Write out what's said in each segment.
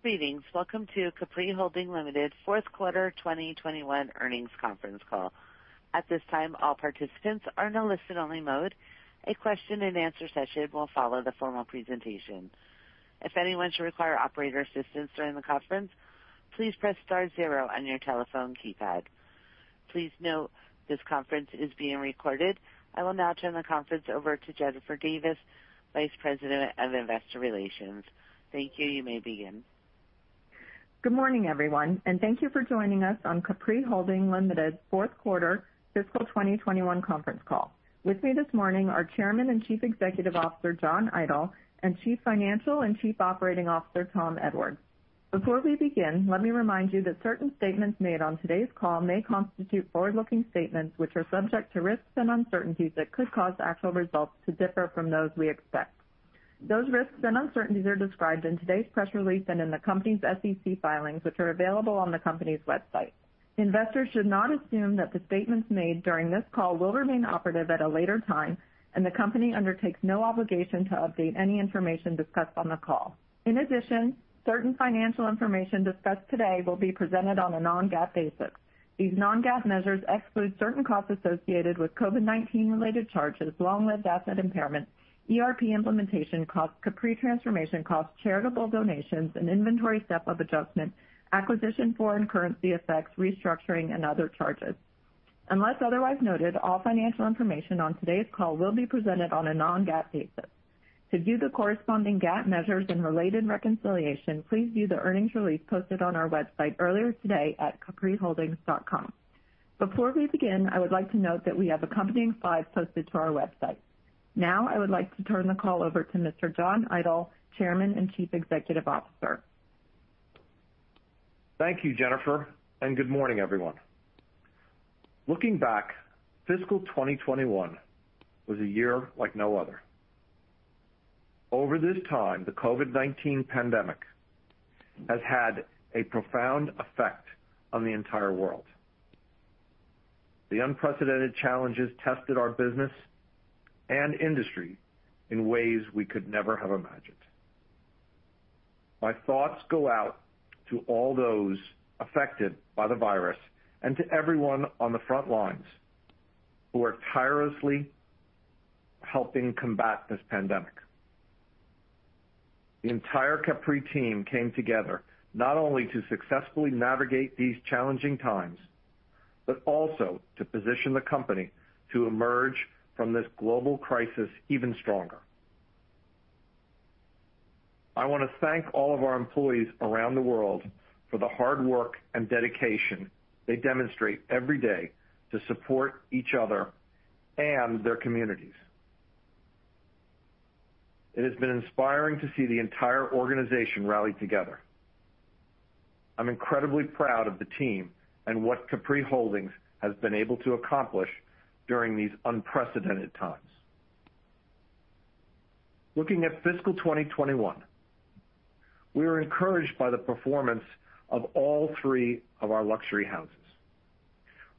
Greetings. Welcome to Capri Holdings Limited Fourth Quarter 2021 Earnings Conference Call. At this time, all participants are in listen-only mode. A question-and-answer session will follow the formal presentation. If anyone should require operator assistance during the conference, please press star zero on your telephone keypad. Please note, this conference is being recorded. I will now turn the conference over to Jennifer Davis, Vice President of Investor Relations. Thank you. You may now begin. Good morning, everyone, and thank you for joining us on Capri Holdings Limited fourth quarter fiscal 2021 conference call. With me this morning are Chairman and Chief Executive Officer, John Idol, and Chief Financial and Chief Operating Officer, Tom Edwards. Before we begin, let me remind you that certain statements made on today's call may constitute forward-looking statements, which are subject to risks and uncertainties that could cause actual results to differ from those we expect. Those risks and uncertainties are described in today's press release and in the company's SEC filings, which are available on the company's website. Investors should not assume that the statements made during this call will remain operative at a later time, and the company undertakes no obligation to update any information discussed on the call. In addition, certain financial information discussed today will be presented on a non-GAAP basis. These non-GAAP measures exclude certain costs associated with COVID-19 related charges, long-lived asset impairment, ERP implementation costs, Capri transformation costs, charitable donations, and inventory step-up adjustment, acquisition foreign currency effects, restructuring, and other charges. Unless otherwise noted, all financial information on today's call will be presented on a non-GAAP basis. To view the corresponding GAAP measures and related reconciliation, please view the earnings release posted on our website earlier today at capriholdings.com. Before we begin, I would like to note that we have accompanying slides posted to our website. Now, I would like to turn the call over to Mr. John Idol, Chairman and Chief Executive Officer. Thank you, Jennifer, and good morning, everyone. Looking back, fiscal 2021 was a year like no other. Over this time, the COVID-19 pandemic has had a profound effect on the entire world. The unprecedented challenges tested our business and industry in ways we could never have imagined. My thoughts go out to all those affected by the virus and to everyone on the front lines who are tirelessly helping combat this pandemic. The entire Capri team came together not only to successfully navigate these challenging times, but also to position the company to emerge from this global crisis even stronger. I want to thank all of our employees around the world for the hard work and dedication they demonstrate every day to support each other and their communities. It has been inspiring to see the entire organization rally together. I'm incredibly proud of the team and what Capri Holdings has been able to accomplish during these unprecedented times. Looking at fiscal 2021, we are encouraged by the performance of all three of our luxury houses.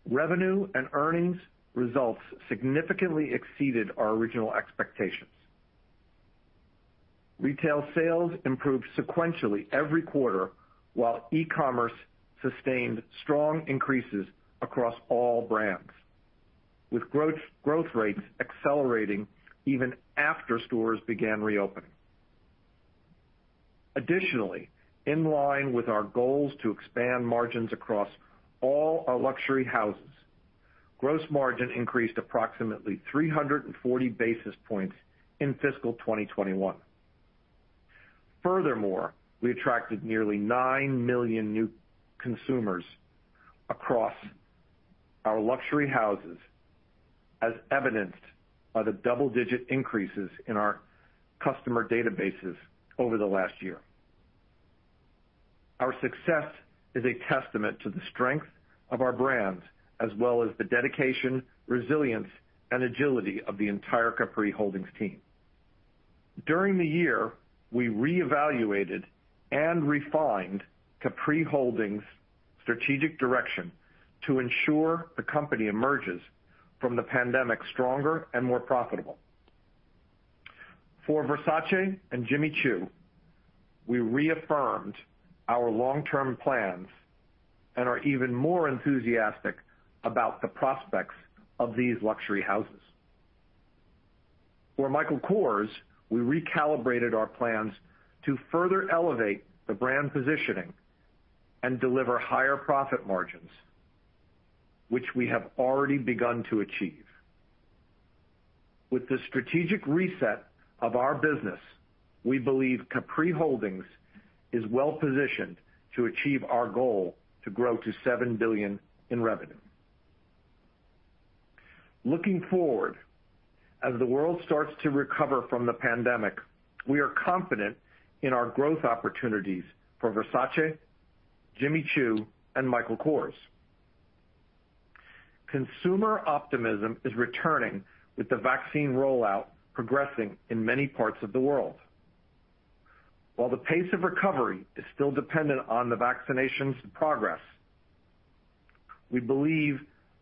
Revenue and earnings results significantly exceeded our original expectations. Retail sales improved sequentially every quarter, while e-commerce sustained strong increases across all brands, with growth rates accelerating even after stores began reopening. Additionally, in line with our goals to expand margins across all our luxury houses, gross margin increased approximately 340 basis points in fiscal 2021. Furthermore, we attracted nearly nine million new consumers across our luxury houses, as evidenced by the double-digit increases in our customer databases over the last year. Our success is a testament to the strength of our brands, as well as the dedication, resilience, and agility of the entire Capri Holdings team. During the year, we reevaluated and refined Capri Holdings' strategic direction to ensure the company emerges from the pandemic stronger and more profitable. For Versace and Jimmy Choo, we reaffirmed our long-term plans and are even more enthusiastic about the prospects of these luxury houses. For Michael Kors, we recalibrated our plans to further elevate the brand positioning and deliver higher profit margins, which we have already begun to achieve. With the strategic reset of our business, we believe Capri Holdings is well-positioned to achieve our goal to grow to $7 billion in revenue. Looking forward, as the world starts to recover from the pandemic, we are confident in our growth opportunities for Versace, Jimmy Choo, and Michael Kors. Consumer optimism is returning with the vaccine rollout progressing in many parts of the world. While the pace of recovery is still dependent on the vaccinations progress, we believe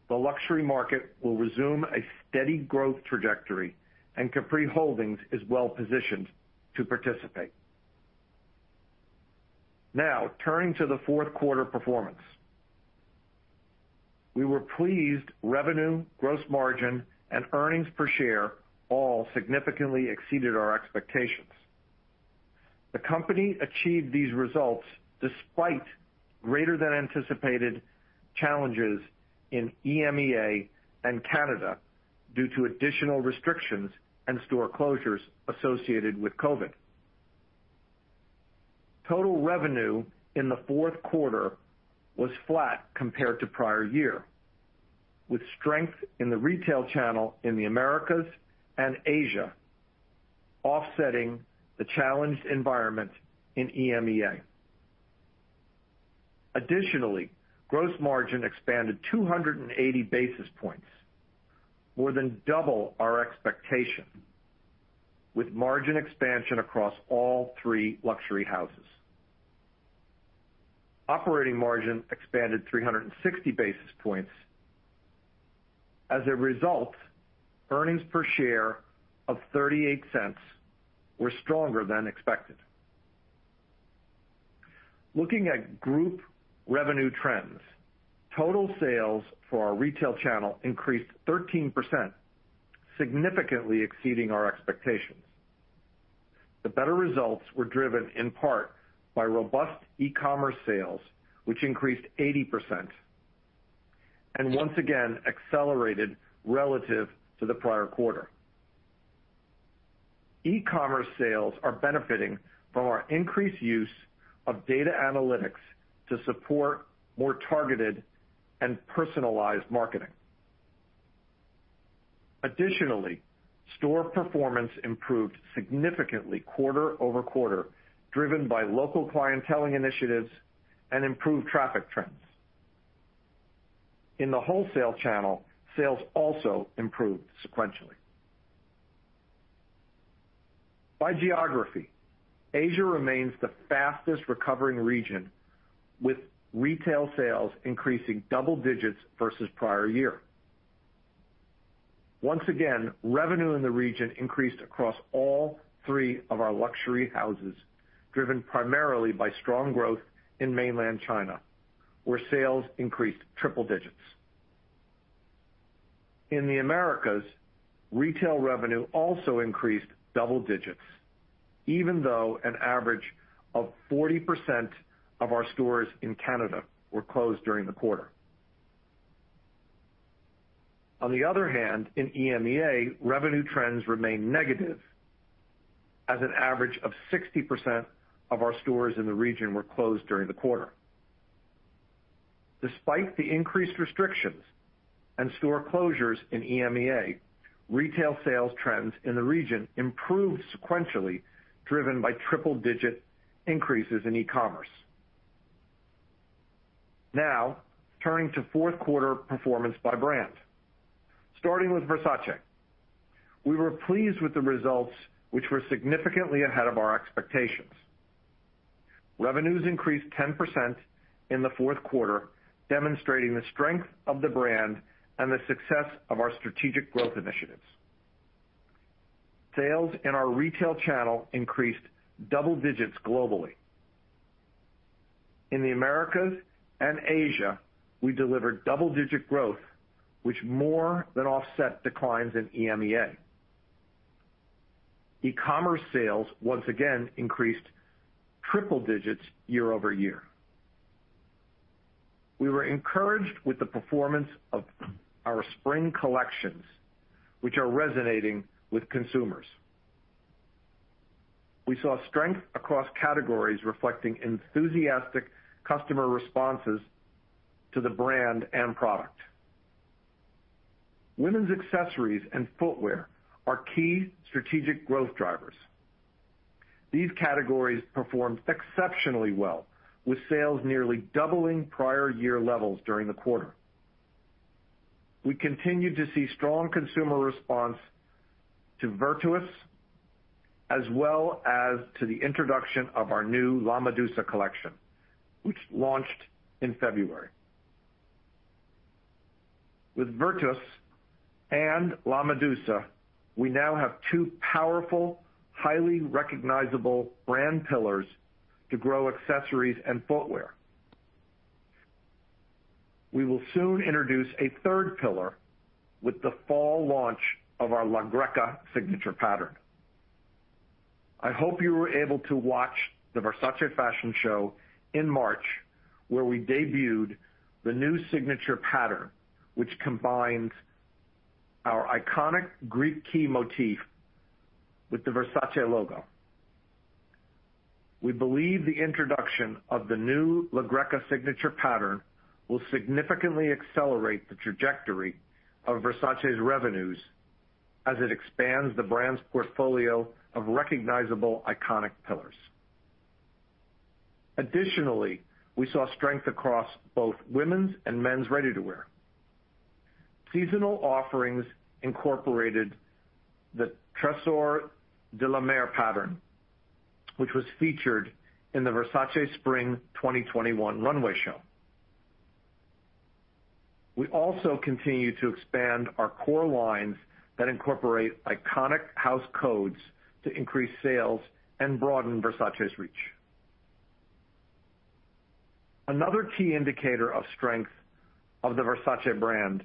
the luxury market will resume a steady growth trajectory, and Capri Holdings is well positioned to participate. Turning to the fourth quarter performance. We were pleased revenue, gross margin, and earnings per share all significantly exceeded our expectations. The company achieved these results despite greater than anticipated challenges in EMEA and Canada due to additional restrictions and store closures associated with COVID-19. Total revenue in the fourth quarter was flat compared to prior year, with strength in the retail channel in the Americas and Asia offsetting the challenged environment in EMEA. Additionally, gross margin expanded 280 basis points, more than double our expectation, with margin expansion across all three luxury houses. Operating margin expanded 360 basis points. As a result, earnings per share of $0.38 were stronger than expected. Looking at group revenue trends, total sales for our retail channel increased 13%, significantly exceeding our expectations. The better results were driven in part by robust e-commerce sales, which increased 80%, and once again accelerated relative to the prior quarter. E-commerce sales are benefiting from our increased use of data analytics to support more targeted and personalized marketing. Additionally, store performance improved significantly quarter-over-quarter, driven by local clienteling initiatives and improved traffic trends. In the wholesale channel, sales also improved sequentially. By geography, Asia remains the fastest recovering region, with retail sales increasing double digits versus prior year. Once again, revenue in the region increased across all three of our luxury houses, driven primarily by strong growth in mainland China, where sales increased triple digits. In the Americas, retail revenue also increased double digits, even though an average of 40% of our stores in Canada were closed during the quarter. On the other hand, in EMEA, revenue trends remain negative as an average of 60% of our stores in the region were closed during the quarter. Despite the increased restrictions and store closures in EMEA, retail sales trends in the region improved sequentially, driven by triple digit increases in e-commerce. Now, turning to fourth quarter performance by brand. Starting with Versace. We were pleased with the results, which were significantly ahead of our expectations. Revenues increased 10% in the fourth quarter, demonstrating the strength of the brand and the success of our strategic growth initiatives. Sales in our retail channel increased double digits globally. In the Americas and Asia, we delivered double digit growth, which more than offset declines in EMEA. E-commerce sales once again increased triple digits year-over-year. We were encouraged with the performance of our spring collections, which are resonating with consumers. We saw strength across categories reflecting enthusiastic customer responses to the brand and product. Women's accessories and footwear are key strategic growth drivers. These categories performed exceptionally well, with sales nearly doubling prior year levels during the quarter. We continue to see strong consumer response to Virtus, as well as to the introduction of our new La Medusa collection, which launched in February. With Virtus and La Medusa, we now have two powerful, highly recognizable brand pillars to grow accessories and footwear. We will soon introduce a third pillar with the fall launch of our La Greca signature pattern. I hope you were able to watch the Versace fashion show in March, where we debuted the new signature pattern, which combines our iconic Greek key motif with the Versace logo. We believe the introduction of the new La Greca signature pattern will significantly accelerate the trajectory of Versace's revenues as it expands the brand's portfolio of recognizable iconic pillars. Additionally, we saw strength across both women's and men's ready-to-wear. Seasonal offerings incorporated the Trésor de la Mer pattern, which was featured in the Versace Spring 2021 runway show. We also continue to expand our core lines that incorporate iconic house codes to increase sales and broaden Versace's reach. Another key indicator of strength of the Versace brand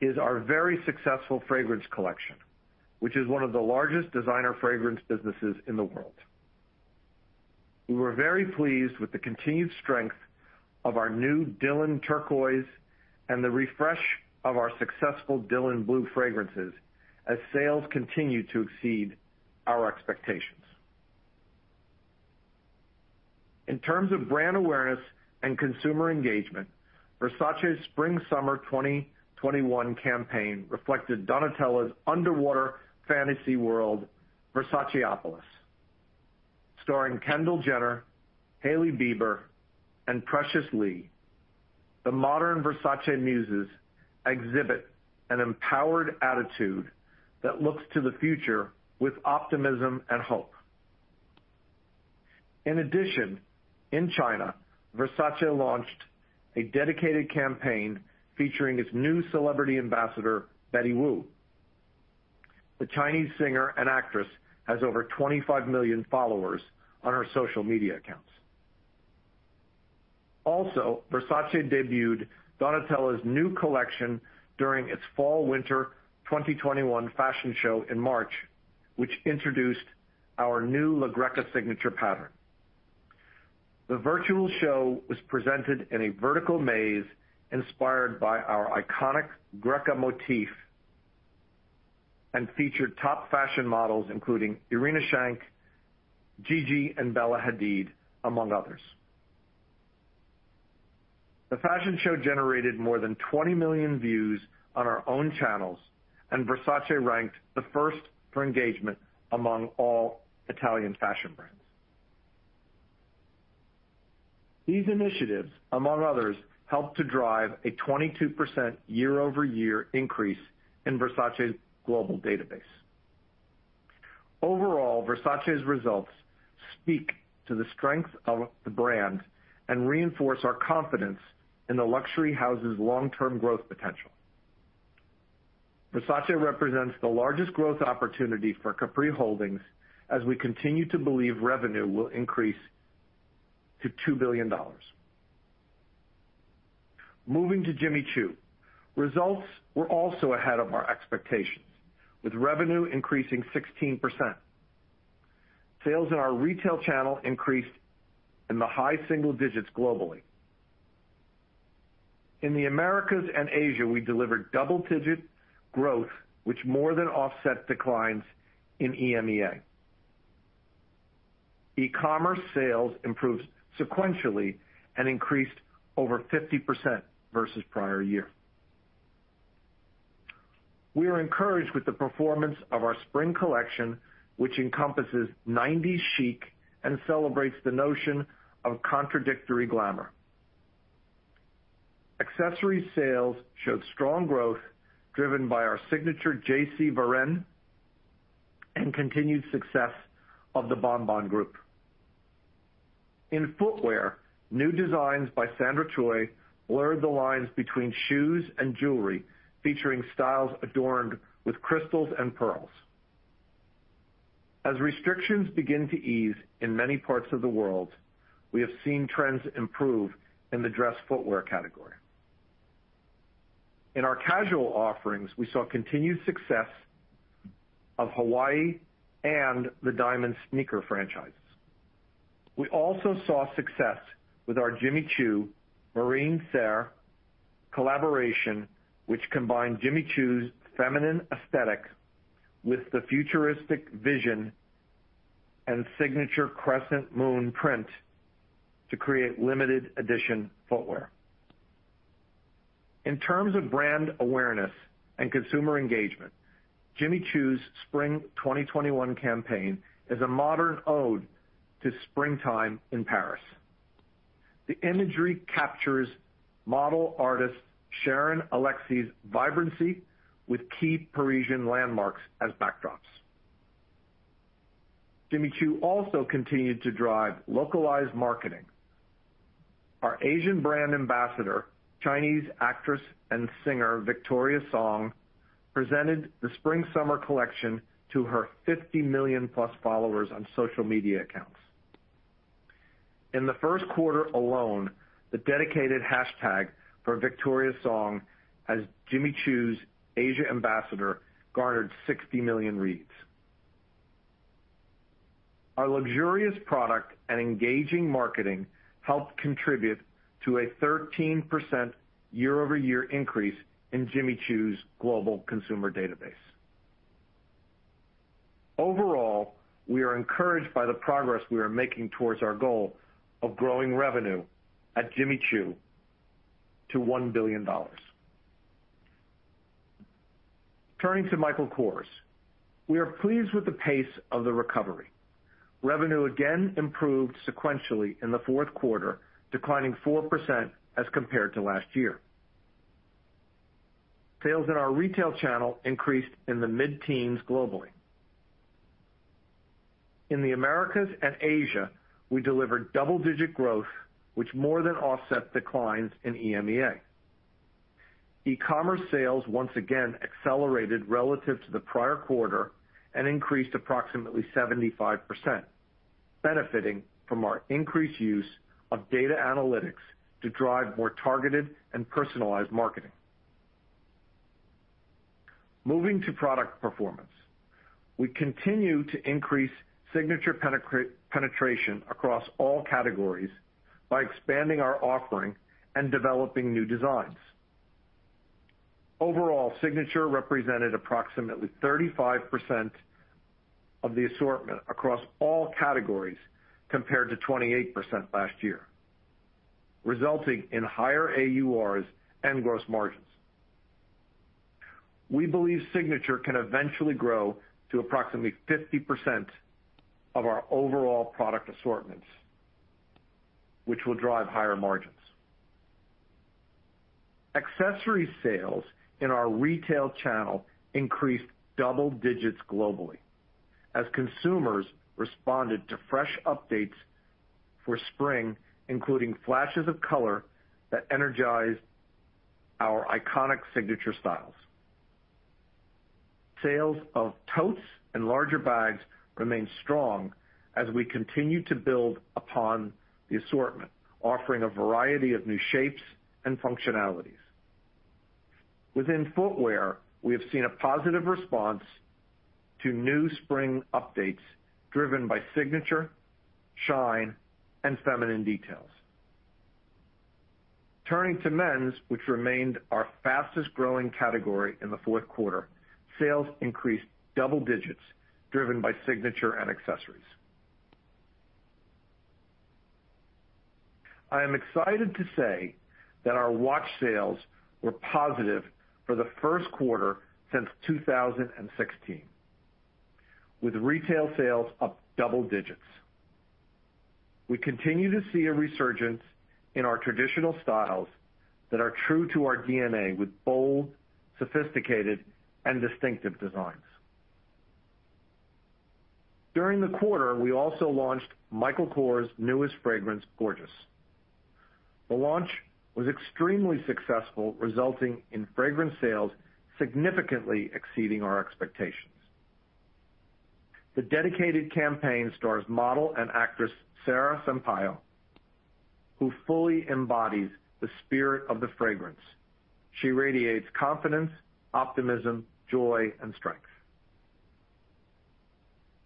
is our very successful fragrance collection, which is one of the largest designer fragrance businesses in the world. We were very pleased with the continued strength of our new Dylan Turquoise and the refresh of our successful Dylan Blue fragrances as sales continue to exceed our expectations. In terms of brand awareness and consumer engagement, Versace Spring/Summer 2021 campaign reflected Donatella's underwater fantasy world, Versaceopolis. Starring Kendall Jenner, Hailey Bieber, and Precious Lee, the modern Versace muses exhibit an empowered attitude that looks to the future with optimism and hope. In addition, in China, Versace launched a dedicated campaign featuring its new celebrity ambassador, Wu Xuanyi. The Chinese singer and actress has over 25 million followers on her social media accounts. Also, Versace debuted Donatella's new collection during its Fall/Winter 2021 fashion show in March, which introduced our new La Greca signature pattern. The virtual show was presented in a vertical maze inspired by our iconic Greca motif and featured top fashion models including Irina Shayk, Gigi and Bella Hadid, among others. The fashion show generated more than 20 million views on our own channels, and Versace ranked the first for engagement among all Italian fashion brands. These initiatives, among others, helped to drive a 22% year-over-year increase in Versace's global database. Overall, Versace's results speak to the strength of the brand and reinforce our confidence in the luxury house's long-term growth potential. Versace represents the largest growth opportunity for Capri Holdings as we continue to believe revenue will increase to $2 billion. Moving to Jimmy Choo. Results were also ahead of our expectations, with revenue increasing 16%. Sales in our retail channel increased in the high single digits globally. In the Americas and Asia, we delivered double-digit growth, which more than offset declines in EMEA. E-commerce sales improved sequentially and increased over 50% versus prior year. We are encouraged with the performance of our spring collection, which encompasses 90s chic and celebrates the notion of contradictory glamour. Accessory sales showed strong growth driven by our signature JC Varenne and continued success of the Bon Bon group. In footwear, new designs by Sandra Choi blurred the lines between shoes and jewelry, featuring styles adorned with crystals and pearls. As restrictions begin to ease in many parts of the world, we have seen trends improve in the dress footwear category. In our casual offerings, we saw continued success of Hawaii and the Diamond sneaker franchise. We also saw success with our Jimmy Choo Marine Serre collaboration, which combined Jimmy Choo's feminine aesthetic with the futuristic vision and signature crescent moon print to create limited edition footwear. In terms of brand awareness and consumer engagement, Jimmy Choo's Spring 2021 campaign is a modern ode to springtime in Paris. The imagery captures model artist Sharon Alexie's vibrancy with key Parisian landmarks as backdrops. Jimmy Choo also continued to drive localized marketing. Our Asian brand ambassador, Chinese actress and singer Victoria Song, presented the spring/summer collection to her +50 million followers on social media accounts. In the first quarter alone, the dedicated hashtag for Victoria Song as Jimmy Choo's Asia ambassador garnered 60 million reads. Our luxurious product and engaging marketing helped contribute to a 13% year-over-year increase in Jimmy Choo's global consumer database. Overall, we are encouraged by the progress we are making towards our goal of growing revenue at Jimmy Choo to $1 billion. Turning to Michael Kors. We are pleased with the pace of the recovery. Revenue again improved sequentially in the fourth quarter, declining 4% as compared to last year. Sales in our retail channel increased in the mid-10s globally. In the Americas and Asia, we delivered double-digit growth, which more than offset declines in EMEA. E-commerce sales once again accelerated relative to the prior quarter and increased approximately 75%, benefiting from our increased use of data analytics to drive more targeted and personalized marketing. Moving to product performance. We continue to increase signature penetration across all categories by expanding our offering and developing new designs. Overall, signature represented approximately 35% of the assortment across all categories, compared to 28% last year, resulting in higher AURs and gross margins. We believe signature can eventually grow to approximately 50% of our overall product assortments, which will drive higher margins. Accessory sales in our retail channel increased double digits globally as consumers responded to fresh updates for spring, including flashes of color that energized our iconic signature styles. Sales of totes and larger bags remain strong as we continue to build upon the assortment, offering a variety of new shapes and functionalities. Within footwear, we have seen a positive response to new spring updates driven by signature, shine, and feminine details. Turning to men's, which remained our fastest-growing category in the fourth quarter, sales increased double digits driven by signature and accessories. I am excited to say that our watch sales were positive for the first quarter since 2016, with retail sales up double digits. We continue to see a resurgence in our traditional styles that are true to our DNA with bold, sophisticated, and distinctive designs. During the quarter, we also launched Michael Kors' newest fragrance, Gorgeous! The launch was extremely successful, resulting in fragrance sales significantly exceeding our expectations. The dedicated campaign stars model and actress Sara Sampaio, who fully embodies the spirit of the fragrance. She radiates confidence, optimism, joy, and strength.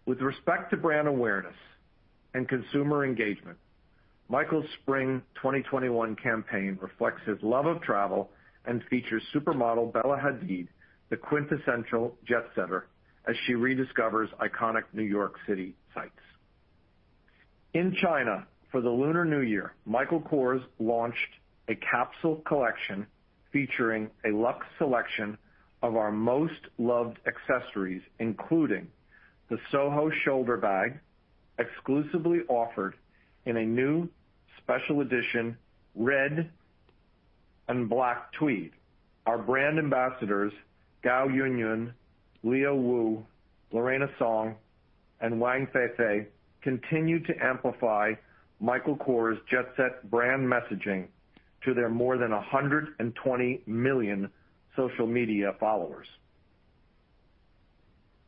With respect to brand awareness and consumer engagement, Michael's Spring 2021 campaign reflects his love of travel and features supermodel Bella Hadid, the quintessential jet-setter, as she rediscovers iconic New York City sites. In China, for the Lunar New Year, Michael Kors launched a capsule collection featuring a luxe selection of our most loved accessories, including the SoHo shoulder bag, exclusively offered in a new special edition red and black tweed. Our brand ambassadors Gao Yuanyuan, Leo Wu, Lareina Song, and Wang Feifei continue to amplify Michael Kors' jet-set brand messaging to their more than 120 million social media followers.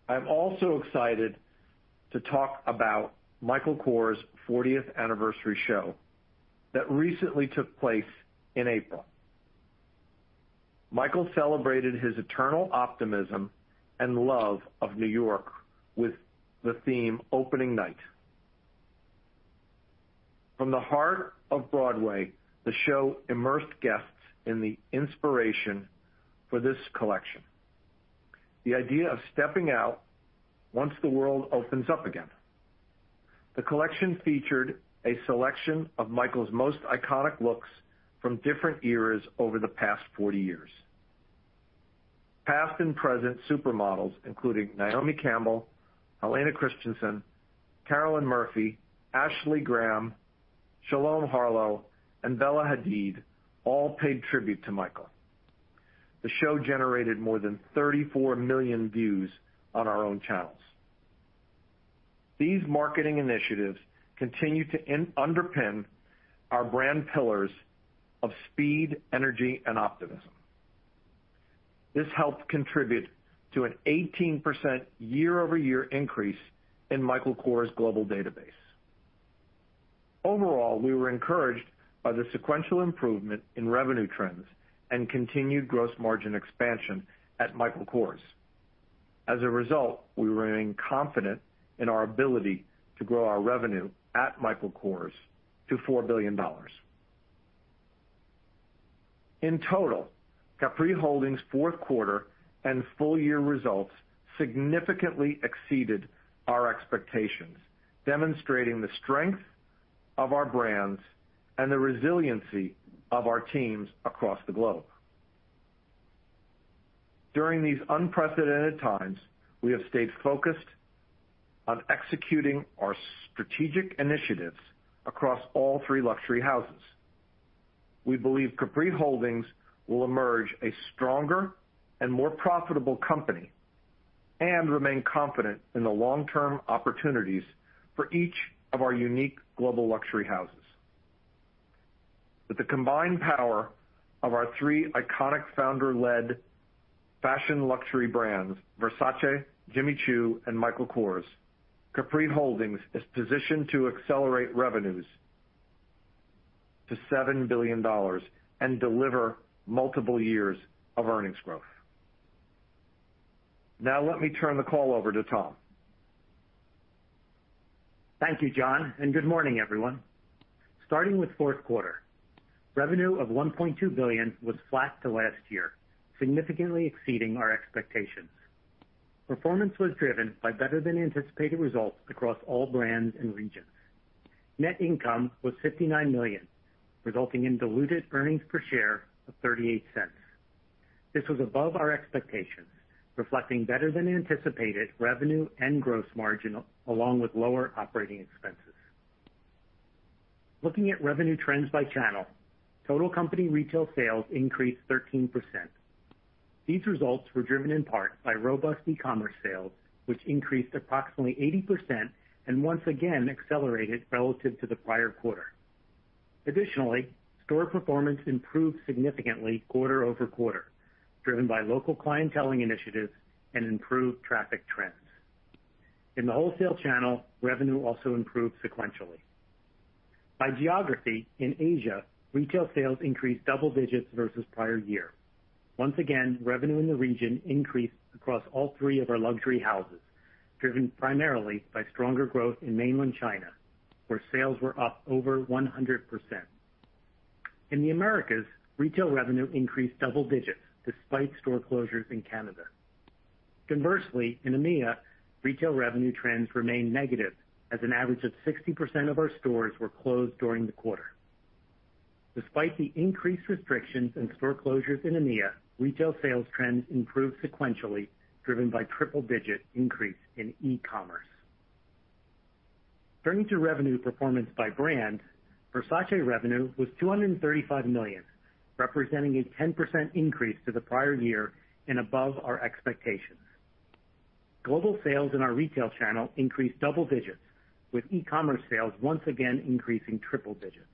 I'm also excited to talk about Michael Kors' 40th anniversary show that recently took place in April. Michael celebrated his eternal optimism and love of New York with the theme Opening Night. From the heart of Broadway, the show immersed guests in the inspiration for this collection, the idea of stepping out once the world opens up again. The collection featured a selection of Michael's most iconic looks from different eras over the past 40 years. Past and present supermodels, including Naomi Campbell, Helena Christensen, Carolyn Murphy, Ashley Graham, Shalom Harlow, and Bella Hadid, all paid tribute to Michael. The show generated more than 34 million views on our own channels. These marketing initiatives continue to underpin our brand pillars of speed, energy, and optimism. This helped contribute to an 18% year-over-year increase in Michael Kors' global database. Overall, we were encouraged by the sequential improvement in revenue trends and continued gross margin expansion at Michael Kors. As a result, we remain confident in our ability to grow our revenue at Michael Kors to $4 billion. In total, Capri Holdings' fourth quarter and full-year results significantly exceeded our expectations, demonstrating the strength of our brands and the resiliency of our teams across the globe. During these unprecedented times, we have stayed focused on executing our strategic initiatives across all three luxury houses. We believe Capri Holdings will emerge a stronger and more profitable company, and remain confident in the long-term opportunities for each of our unique global luxury houses. With the combined power of our three iconic founder-led fashion luxury brands, Versace, Jimmy Choo and Michael Kors, Capri Holdings is positioned to accelerate revenues to $7 billion and deliver multiple years of earnings growth. Now let me turn the call over to Tom. Thank you, John, and good morning, everyone. Starting with fourth quarter. Revenue of $1.2 billion was flat to last year, significantly exceeding our expectations. Performance was driven by better than anticipated results across all brands and regions. Net income was $59 million, resulting in diluted earnings per share of $0.38. This was above our expectations, reflecting better than anticipated revenue and gross margin, along with lower operating expenses. Looking at revenue trends by channel, total company retail sales increased 13%. These results were driven in part by robust e-commerce sales, which increased approximately 80% and once again accelerated relative to the prior quarter. Additionally, store performance improved significantly quarter-over-quarter, driven by local clienteling initiatives and improved traffic trends. In the wholesale channel, revenue also improved sequentially. By geography, in Asia, retail sales increased double digits versus prior year. Once again, revenue in the region increased across all three of our luxury houses, driven primarily by stronger growth in mainland China, where sales were up over 100%. In the Americas, retail revenue increased double digits despite store closures in Canada. Conversely, in EMEA, retail revenue trends remained negative as an average of 60% of our stores were closed during the quarter. Despite the increased restrictions and store closures in EMEA, retail sales trends improved sequentially, driven by triple-digit increase in e-commerce. Turning to revenue performance by brand, Versace revenue was $235 million, representing a 10% increase to the prior year and above our expectations. Global sales in our retail channel increased double digits, with e-commerce sales once again increasing triple digits.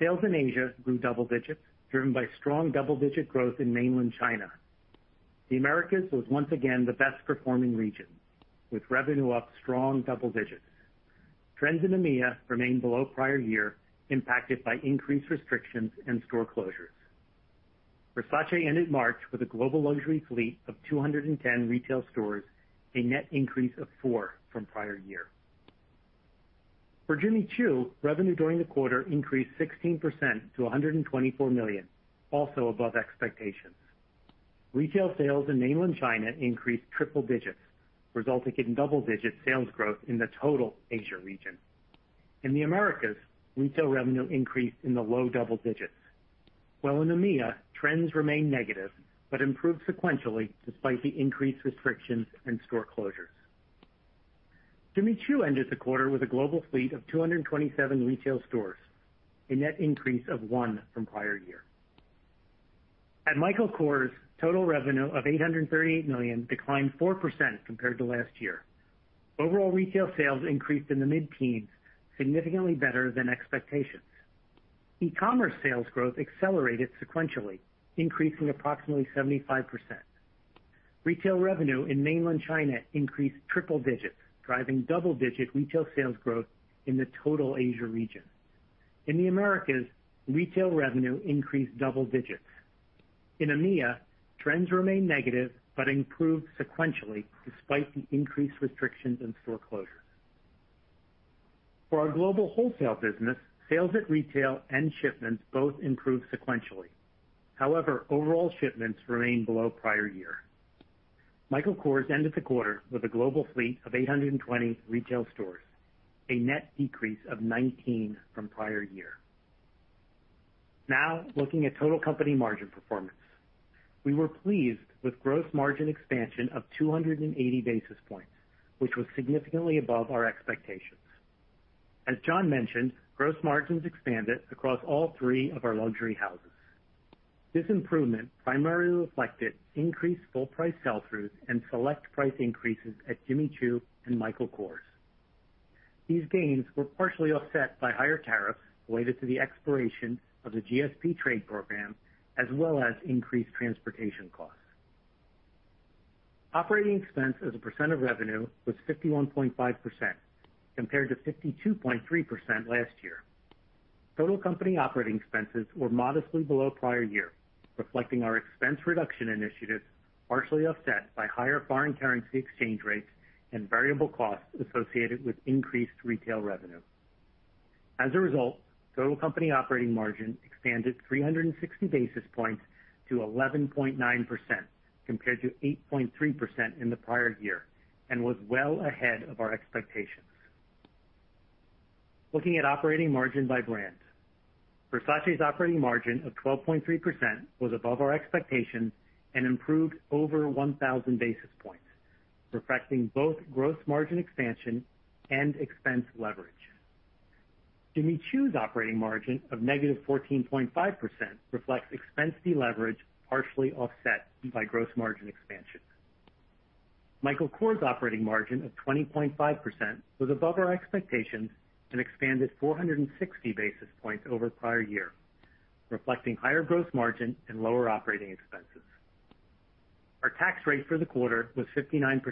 Sales in Asia grew double digits, driven by strong double-digit growth in mainland China. The Americas was once again the best performing region, with revenue up strong double digits. Trends in EMEA remained below prior year, impacted by increased restrictions and store closures. Versace ended March with a global luxury fleet of 210 retail stores, a net increase of four from prior year. For Jimmy Choo, revenue during the quarter increased 16% to $124 million, also above expectations. Retail sales in mainland China increased triple digits, resulting in double-digit sales growth in the total Asia region. In the Americas, retail revenue increased in the low double digits, while in EMEA, trends remained negative, but improved sequentially despite the increased restrictions and store closures. Jimmy Choo ended the quarter with a global fleet of 227 retail stores, a net increase of one from prior year. At Michael Kors, total revenue of $838 million declined 4% compared to last year. Overall retail sales increased in the mid-10s, significantly better than expectations. E-commerce sales growth accelerated sequentially, increasing approximately 75%. Retail revenue in mainland China increased triple digits, driving double-digit retail sales growth in the total Asia region. In the Americas, retail revenue increased double digits. In EMEA, trends remained negative, but improved sequentially despite the increased restrictions and store closures. For our global wholesale business, sales at retail and shipments both improved sequentially. However, overall shipments remained below prior year. Michael Kors ended the quarter with a global fleet of 820 retail stores, a net decrease of 19 from prior year. Now, looking at total company margin performance. We were pleased with gross margin expansion of 280 basis points, which was significantly above our expectations. As John mentioned, gross margins expanded across all three of our luxury houses. This improvement primarily reflected increased full price sell-throughs and select price increases at Jimmy Choo and Michael Kors. These gains were partially offset by higher tariffs related to the expiration of the GSP trade program, as well as increased transportation costs. Operating expense as a percent of revenue was 51.5%, compared to 52.3% last year. Total company operating expenses were modestly below prior year, reflecting our expense reduction initiatives, partially offset by higher foreign currency exchange rates and variable costs associated with increased retail revenue. As a result, total company operating margin expanded 360 basis points to 11.9%, compared to 8.3% in the prior year, and was well ahead of our expectations. Looking at operating margin by brand. Versace's operating margin of 12.3% was above our expectations and improved over 1,000 basis points, reflecting both gross margin expansion and expense leverage. Jimmy Choo's operating margin of -14.5% reflects expense deleverage partially offset by gross margin expansion. Michael Kors' operating margin of 20.5% was above our expectations and expanded 460 basis points over prior year, reflecting higher gross margin and lower operating expenses. Our tax rate for the quarter was 59%,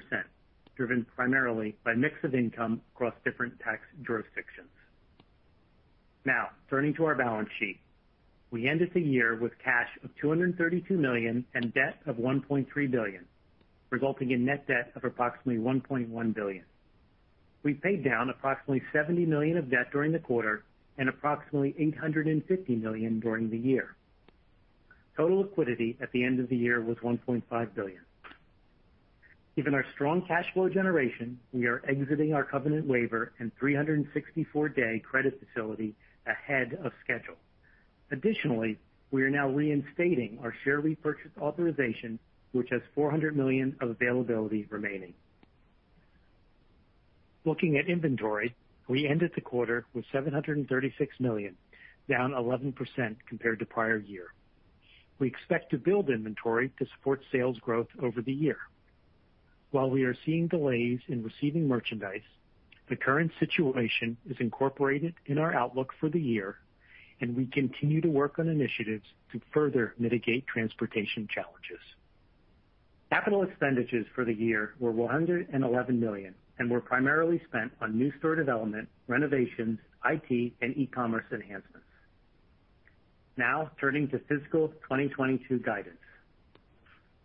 driven primarily by mix of income across different tax jurisdictions. Now, turning to our balance sheet. We ended the year with cash of $232 million and debt of $1.3 billion, resulting in net debt of approximately $1.1 billion. We paid down approximately $70 million of debt during the quarter and approximately $850 million during the year. Total liquidity at the end of the year was $1.5 billion. Given our strong cash flow generation, we are exiting our covenant waiver and 364-day credit facility ahead of schedule. Additionally, we are now reinstating our share repurchase authorization, which has $400 million of availability remaining. Looking at inventory, we ended the quarter with $736 million, down 11% compared to prior year. We expect to build inventory to support sales growth over the year. While we are seeing delays in receiving merchandise, the current situation is incorporated in our outlook for the year, and we continue to work on initiatives to further mitigate transportation challenges. Capital expenditures for the year were $111 million and were primarily spent on new store development, renovations, IT, and e-commerce enhancements. Now, turning to fiscal 2022 guidance.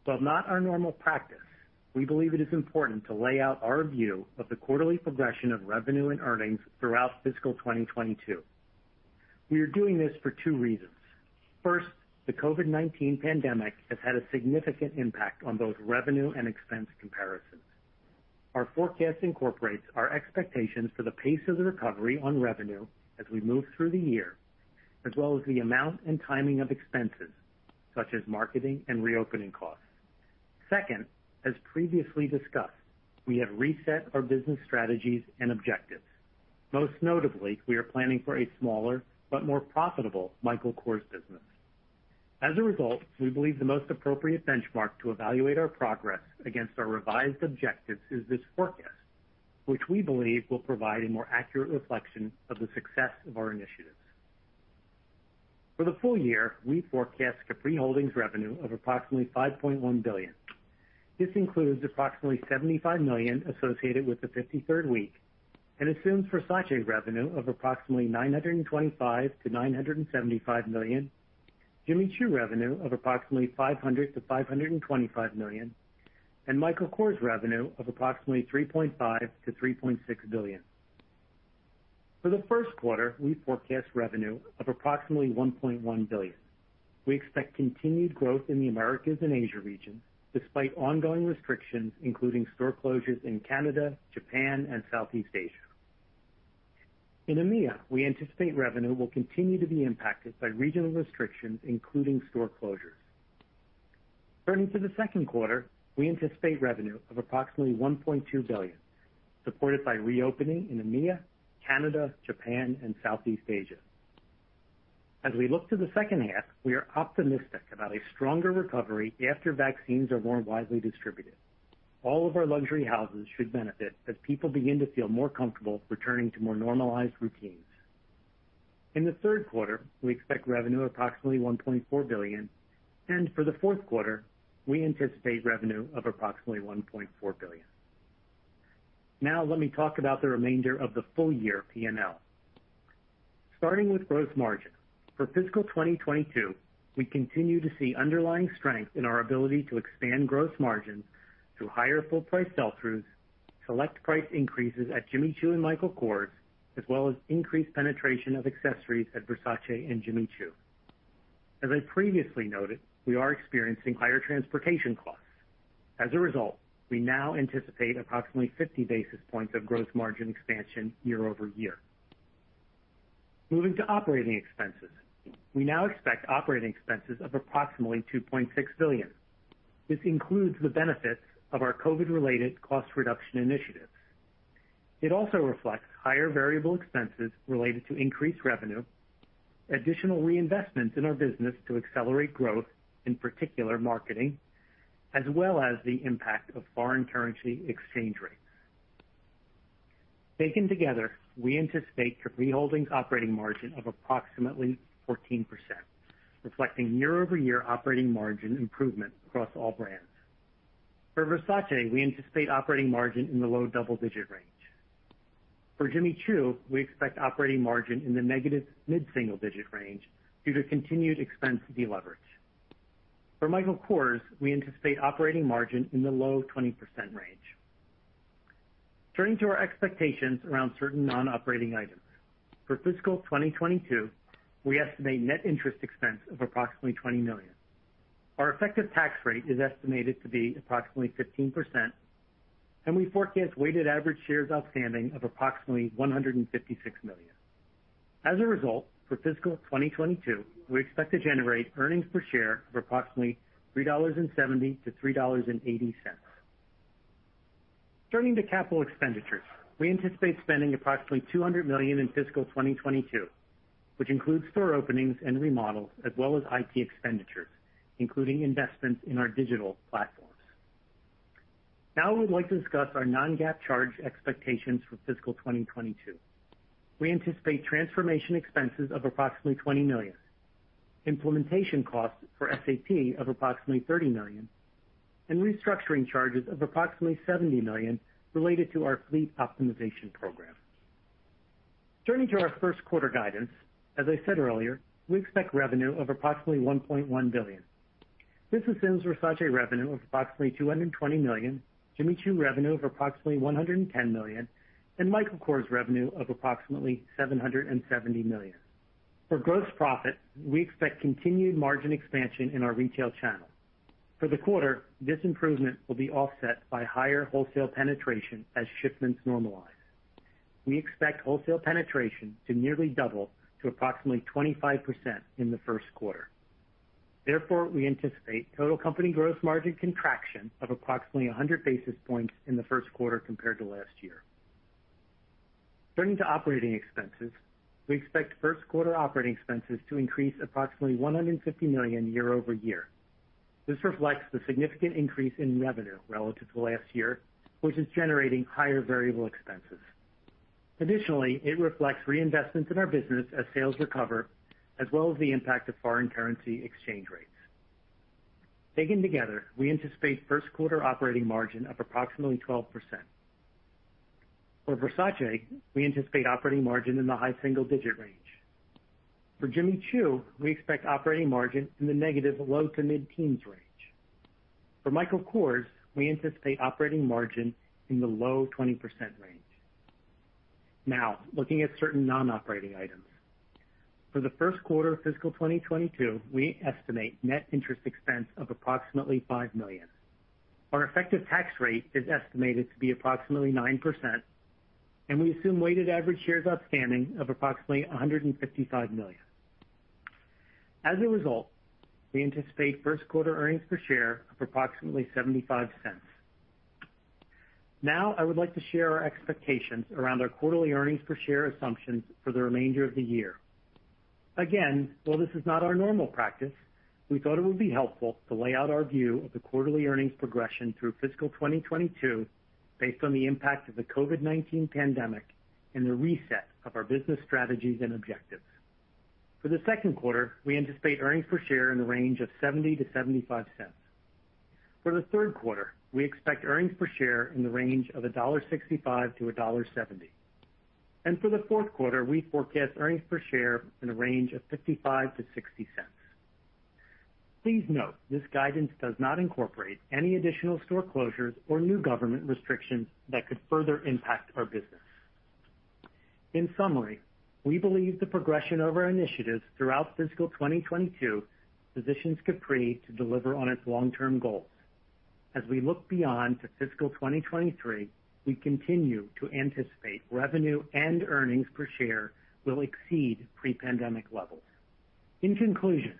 While not our normal practice, we believe it is important to lay out our view of the quarterly progression of revenue and earnings throughout fiscal 2022. We are doing this for two reasons. First, the COVID-19 pandemic has had a significant impact on both revenue and expense comparisons. Our forecast incorporates our expectations for the pace of the recovery on revenue as we move through the year, as well as the amount and timing of expenses such as marketing and reopening costs. Second, as previously discussed, we have reset our business strategies and objectives. Most notably, we are planning for a smaller but more profitable Michael Kors business. As a result, we believe the most appropriate benchmark to evaluate our progress against our revised objectives is this forecast, which we believe will provide a more accurate reflection of the success of our initiatives. For the full year, we forecast Capri Holdings revenue of approximately $5.1 billion. This includes approximately $75 million associated with the 53rd week and assumes Versace revenue of approximately $925 million-$975 million, Jimmy Choo revenue of approximately $500 million-$525 million, and Michael Kors revenue of approximately $3.5 billion-$3.6 billion. For the first quarter, we forecast revenue of approximately $1.1 billion. We expect continued growth in the Americas and Asia region, despite ongoing restrictions, including store closures in Canada, Japan, and Southeast Asia. In EMEA, we anticipate revenue will continue to be impacted by regional restrictions, including store closures. Turning to the second quarter, we anticipate revenue of approximately $1.2 billion, supported by reopening in EMEA, Canada, Japan, and Southeast Asia. As we look to the second half, we are optimistic about a stronger recovery after vaccines are more widely distributed. All of our luxury houses should benefit as people begin to feel more comfortable returning to more normalized routines. In the third quarter, we expect revenue of approximately $1.4 billion, and for the fourth quarter, we anticipate revenue of approximately $1.4 billion. Let me talk about the remainder of the full year P&L. Starting with gross margin. For fiscal 2022, we continue to see underlying strength in our ability to expand gross margins through higher full price sell-throughs, select price increases at Jimmy Choo and Michael Kors, as well as increased penetration of accessories at Versace and Jimmy Choo. As I previously noted, we are experiencing higher transportation costs. As a result, we now anticipate approximately 50 basis points of gross margin expansion year-over-year. Moving to operating expenses. We now expect operating expenses of approximately $2.6 billion. This includes the benefits of our COVID-related cost reduction initiatives. It also reflects higher variable expenses related to increased revenue, additional reinvestments in our business to accelerate growth, in particular, marketing, as well as the impact of foreign currency exchange rates. Taken together, we anticipate Capri Holdings' operating margin of approximately 14%, reflecting year-over-year operating margin improvement across all brands. For Versace, we anticipate operating margin in the low double-digit range. For Jimmy Choo, we expect operating margin in the negative mid-single digit range due to continued expense deleverage. For Michael Kors, we anticipate operating margin in the low 20% range. Turning to our expectations around certain non-operating items. For fiscal 2022, we estimate net interest expense of approximately $20 million. Our effective tax rate is estimated to be approximately 15%, and we forecast weighted average shares outstanding of approximately 156 million. As a result, for fiscal 2022, we expect to generate earnings per share of approximately $3.70 to $3.80. Turning to capital expenditures, we anticipate spending approximately $200 million in fiscal 2022, which includes store openings and remodels, as well as IT expenditures, including investments in our digital platforms. Now we'd like to discuss our non-GAAP charge expectations for fiscal 2022. We anticipate transformation expenses of $20 million, implementation costs for SAP of $30 million, and restructuring charges of $70 million related to our fleet optimization program. Turning to our first quarter guidance, as I said earlier, we expect revenue of $1.1 billion. This assumes Versace revenue of $220 million, Jimmy Choo revenue of $110 million, and Michael Kors revenue of $770 million. For gross profit, we expect continued margin expansion in our retail channel. For the quarter, this improvement will be offset by higher wholesale penetration as shipments normalize. We expect wholesale penetration to nearly double to 25% in the first quarter. We anticipate total company gross margin contraction of 100 basis points in the first quarter compared to last year. Turning to operating expenses, we expect first quarter operating expenses to increase $150 million year over year. This reflects the significant increase in revenue relative to last year, which is generating higher variable expenses. Additionally, it reflects reinvestments in our business as sales recover, as well as the impact of foreign currency exchange rates. Taken together, we anticipate first quarter operating margin of approximately 12%. For Versace, we anticipate operating margin in the high single-digit range. For Jimmy Choo, we expect operating margin in the negative low to mid-10s range. For Michael Kors, we anticipate operating margin in the low 20% range. Now, looking at certain non-operating items. For the first quarter of fiscal 2022, we estimate net interest expense of approximately $5 million. Our effective tax rate is estimated to be approximately 9%, and we assume weighted average shares outstanding of approximately 155 million. As a result, we anticipate first quarter earnings per share of approximately $0.75. Now, I would like to share our expectations around our quarterly earnings per share assumptions for the remainder of the year. While this is not our normal practice, we thought it would be helpful to lay out our view of the quarterly earnings progression through fiscal 2022 based on the impact of the COVID-19 pandemic and the reset of our business strategies and objectives. For the second quarter, we anticipate earnings per share in the range of $0.70-$0.75. For the third quarter, we expect earnings per share in the range of $1.65-$1.70. For the fourth quarter, we forecast earnings per share in the range of $0.55-$0.60. Please note, this guidance does not incorporate any additional store closures or new government restrictions that could further impact our business. In summary, we believe the progression of our initiatives throughout fiscal 2022 positions Capri to deliver on its long-term goals. As we look beyond to fiscal 2023, we continue to anticipate revenue and earnings per share will exceed pre-pandemic levels. In conclusion,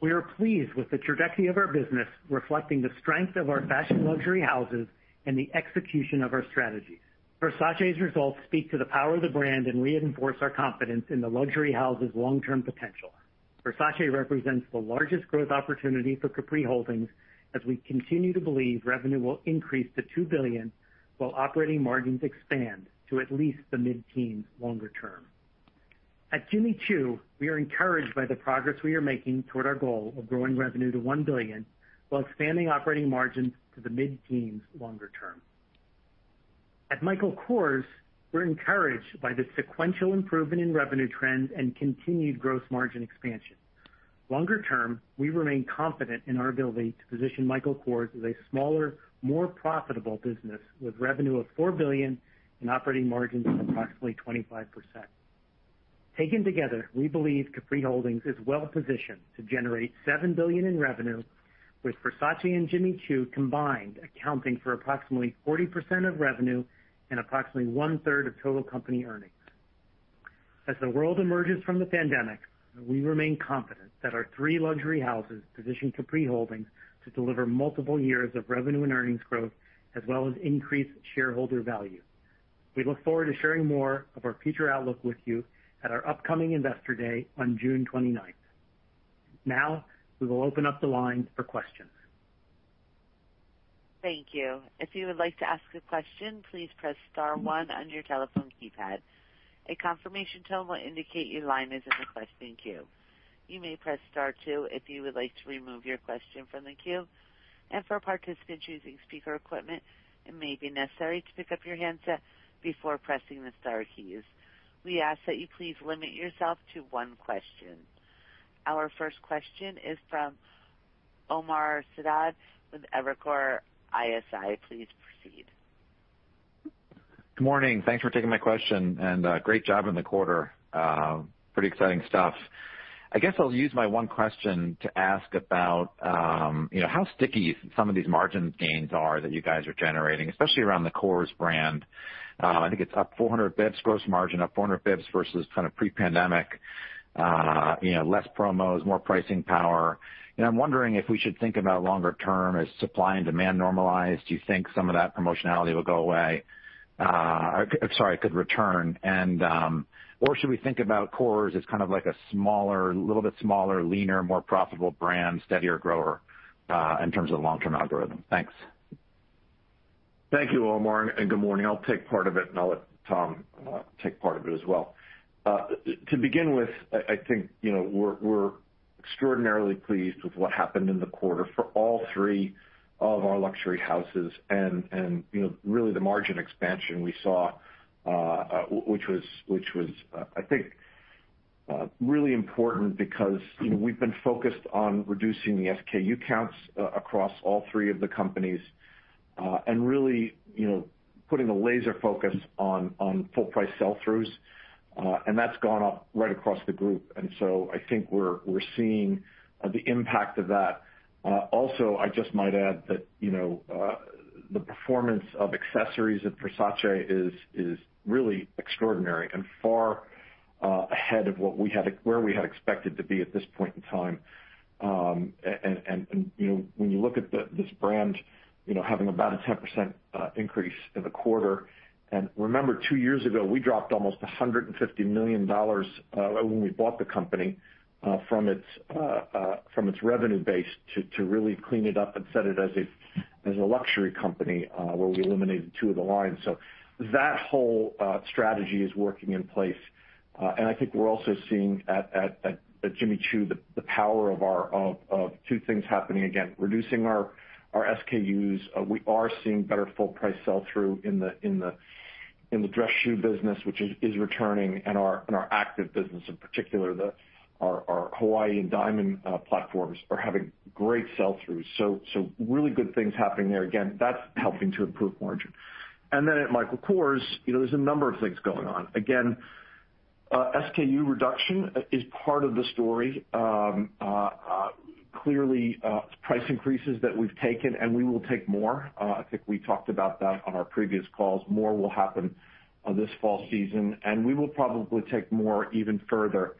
we are pleased with the trajectory of our business, reflecting the strength of our fashion luxury houses and the execution of our strategies. Versace's results speak to the power of the brand and reinforce our confidence in the luxury house's long-term potential. Versace represents the largest growth opportunity for Capri Holdings as we continue to believe revenue will increase to $2 billion while operating margins expand to at least the mid-10s longer term. At Jimmy Choo, we are encouraged by the progress we are making toward our goal of growing revenue to $1 billion while expanding operating margins to the mid-teens longer term. At Michael Kors, we're encouraged by the sequential improvement in revenue trends and continued gross margin expansion. Longer term, we remain confident in our ability to position Michael Kors as a smaller, more profitable business with revenue of $4 billion and operating margins of approximately 25%. Taken together, we believe Capri Holdings is well-positioned to generate $7 billion in revenue, with Versace and Jimmy Choo combined accounting for approximately 40% of revenue and approximately 1/3 of total company earnings. As the world emerges from the pandemic, we remain confident that our three luxury houses position Capri Holdings to deliver multiple years of revenue and earnings growth, as well as increase shareholder value. We look forward to sharing more of our future outlook with you at our upcoming Investor Day on June 29th. Now, we will open up the line for questions. Thank you. If you would like to ask a question, please press star one on your telephone keypad. A confirmation tone will indicate your line is in the question queue. You may press star two if you would like to remove your question from the queue. And for participant using speaker equipment, it may be necessary to pick up your handset before pressing the star keys. We ask that you please limit yourself to one question. Our first question is from Omar Saad with Evercore ISI. Please proceed. Good morning. Thanks for taking my question, and great job on the quarter. Pretty exciting stuff. I guess I'll use my one question to ask about how sticky some of these margin gains are that you guys are generating, especially around the Kors brand. I think it's up 400 basis points gross margin, up 400 basis points versus pre-pandemic. Less promos, more pricing power. I'm wondering if we should think about longer term as supply and demand normalize. Do you think some of that promotionality could return? Should we think about Kors as a little bit smaller, leaner, more profitable brand, steadier grower, in terms of the long-term algorithm? Thanks. Thank you, Omar, and good morning. I'll take part of it, and I'll let Tom take part of it as well. To begin with, I think we're extraordinarily pleased with what happened in the quarter for all three of our luxury houses and really the margin expansion we saw, which was, I think, really important because we've been focused on reducing the SKU counts across all three of the companies, and really putting a laser focus on full price sell-throughs, and that's gone up right across the group. I think we're seeing the impact of that. Also, I just might add that the performance of accessories at Versace is really extraordinary and far ahead of where we had expected to be at this point in time. When you look at this brand having about a 10% increase in the quarter, remember, two years ago, we dropped almost $150 million when we bought the company, from its revenue base to really clean it up and set it as a luxury company where we eliminated two of the lines. That whole strategy is working in place. I think we're also seeing at Jimmy Choo the power of two things happening. Again, reducing our SKUs. We are seeing better full price sell-through in the dress shoe business, which is returning, and our active business, in particular, our Hawaii and Diamond platforms are having great sell-throughs. Really good things happening there. Again, that's helping to improve margin. At Michael Kors, there's a number of things going on. Again, SKU reduction is part of the story. Clearly, price increases that we've taken, and we will take more. I think we talked about that on our previous calls. More will happen this fall season, and we will probably take more even further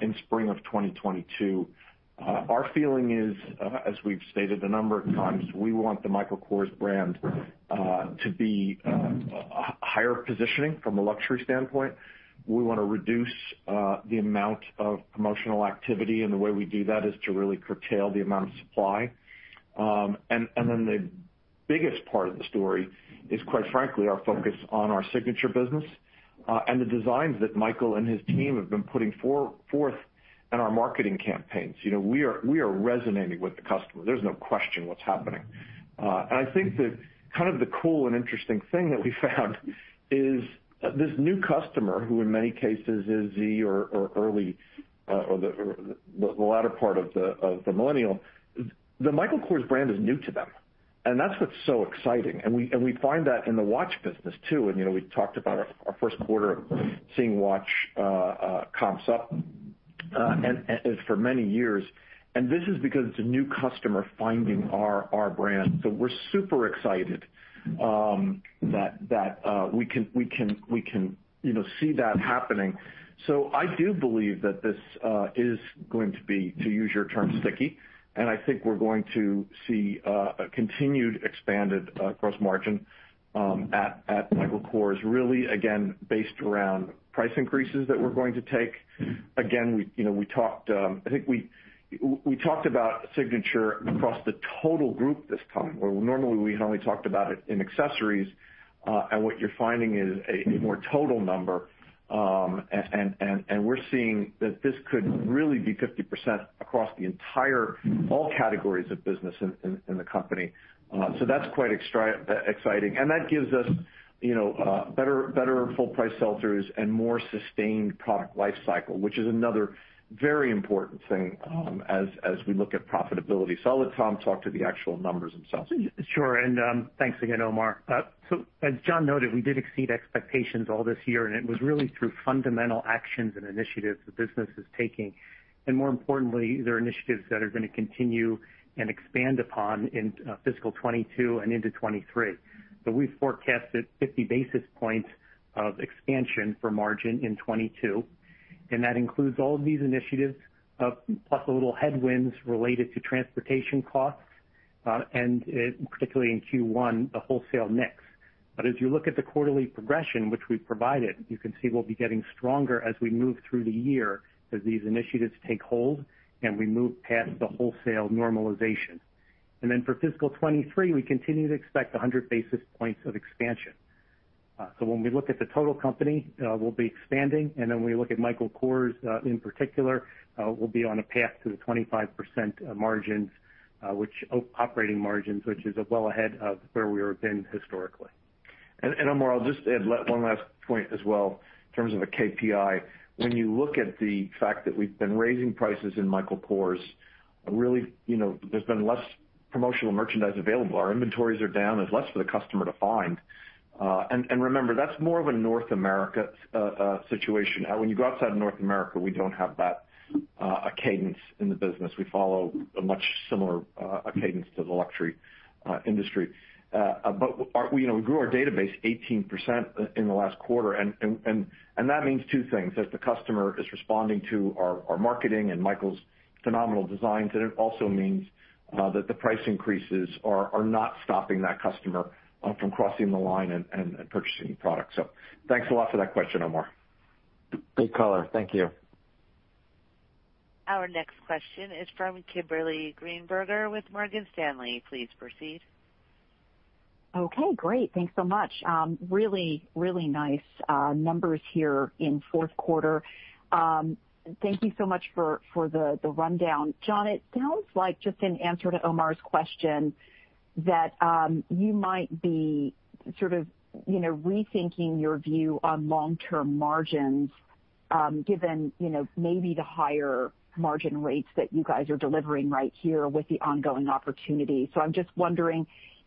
in spring of 2022. Our feeling is, as we've stated a number of times, we want the Michael Kors brand to be higher positioning from a luxury standpoint. We want to reduce the amount of promotional activity, and the way we do that is to really curtail the amount of supply. The biggest part of the story is, quite frankly, our focus on our signature business, and the designs that Michael and his team have been putting forth in our marketing campaigns. We are resonating with the customer. There's no question what's happening. I think the cool and interesting thing that we found is this new customer, who in many cases is the early or the latter part of the millennial, the Michael Kors brand is new to them. That's what's so exciting. We find that in the watch business, too. We talked about our first quarter of seeing watch comps up for many years. This is because it's a new customer finding our brand. We're super excited that we can see that happening. I do believe that this is going to be, to use your term, sticky, and I think we're going to see a continued expanded gross margin at Michael Kors, really, again, based around price increases that we're going to take. Again, I think we talked about signature across the total group this time, where normally we had only talked about it in accessories. What you're finding is a more total number, and we're seeing that this could really be 50% across the entire, all categories of business in the company. That's quite exciting. That gives us better full price sell-throughs and more sustained product life cycle, which is another very important thing as we look at profitability. I'll let Tom talk to the actual numbers themselves. Sure. Thanks again, Omar. As John noted, we did exceed expectations all this year, and it was really through fundamental actions and initiatives the business is taking. More importantly, they're initiatives that are going to continue and expand upon in fiscal 2022 and into 2023. We've forecasted 50 basis points of expansion for margin in 2022, and that includes all of these initiatives, plus a little headwinds related to transportation costs, and particularly in Q1, the wholesale mix. As you look at the quarterly progression which we've provided, you can see we'll be getting stronger as we move through the year as these initiatives take hold, and we move past the wholesale normalization. For fiscal 2023, we continue to expect 100 basis points of expansion. When we look at the total company, we'll be expanding, when we look at Michael Kors in particular, we'll be on a path to the 25% operating margins, which is well ahead of where we have been historically. Omar, I'll just add one last point as well in terms of a KPI. When you look at the fact that we've been raising prices in Michael Kors, really, there's been less promotional merchandise available. Our inventories are down. There's less for the customer to find. Remember, that's more of a North America situation. When you go outside North America, we don't have that cadence in the business. We follow a much similar cadence to the luxury industry. We grew our database 18% in the last quarter, and that means two things. That the customer is responding to our marketing and Michael's phenomenal designs, and it also means that the price increases are not stopping that customer from crossing the line and purchasing products. Thanks a lot for that question, Omar. Good color. Thank you. Our next question is from Kimberly Greenberger with Morgan Stanley. Please proceed. Okay, great. Thanks so much. Really nice numbers here in fourth quarter. Thank you so much for the rundown. John, it sounds like just in answer to Omar's question, that you might be rethinking your view on long-term margins, given maybe the higher margin rates that you guys are delivering right here with the ongoing opportunity. I'm just wondering,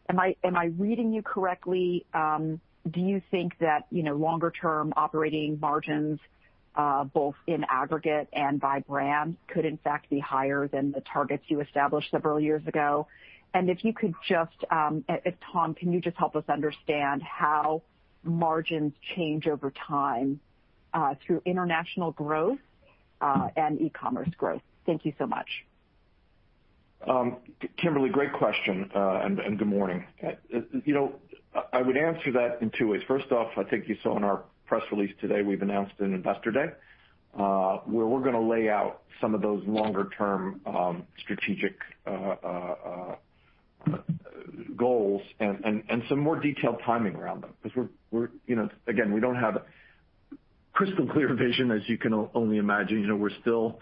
am I reading you correctly? Do you think that longer-term operating margins, both in aggregate and by brand, could in fact be higher than the targets you established several years ago? Tom, can you just help us understand how margins change over time through international growth and e-commerce growth? Thank you so much. Kimberly, great question. Good morning. I would answer that in two ways. First off, I think you saw in our press release today, we've announced an Investor Day where we're going to lay out some of those longer-term strategic goals and some more detailed timing around them. Again, we don't have a crystal-clear vision, as you can only imagine. We're still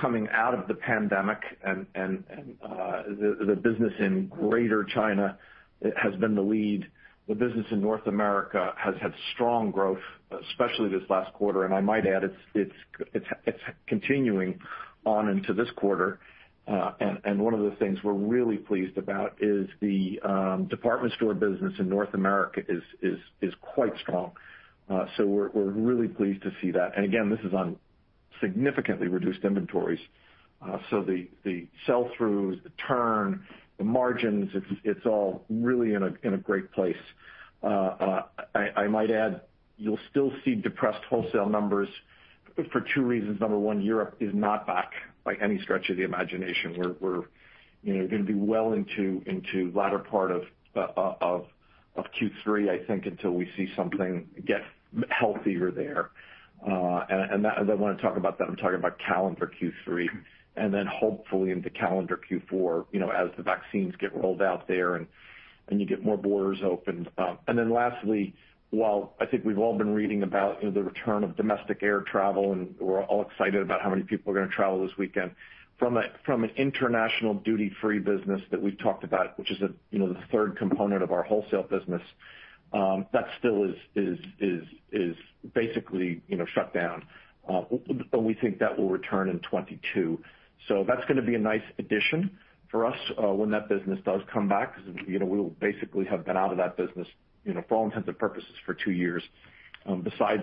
coming out of the pandemic. The business in Greater China has been the lead. The business in North America has had strong growth, especially this last quarter. I might add, it's continuing on into this quarter. One of the things we're really pleased about is the department store business in North America is quite strong. We're really pleased to see that. Again, this is on significantly reduced inventories. The sell-throughs, the turn, the margins, it's all really in a great place. I might add, you'll still see depressed wholesale numbers for two reasons. Number one, Europe is not back by any stretch of the imagination. We're going to be well into the latter part of Q3, I think, until we see something get healthier there. When I talk about that, I'm talking about calendar Q3, and then hopefully into calendar Q4 as the vaccines get rolled out there and you get more borders open. Lastly, while I think we've all been reading about the return of domestic air travel, and we're all excited about how many people are going to travel this weekend. From an international duty-free business that we've talked about, which is the third component of our wholesale business, that still is basically shut down, and we think that will return in 2022. That's going to be a nice addition for us when that business does come back, because we will basically have been out of that business, for all intents and purposes, for two years. Besides,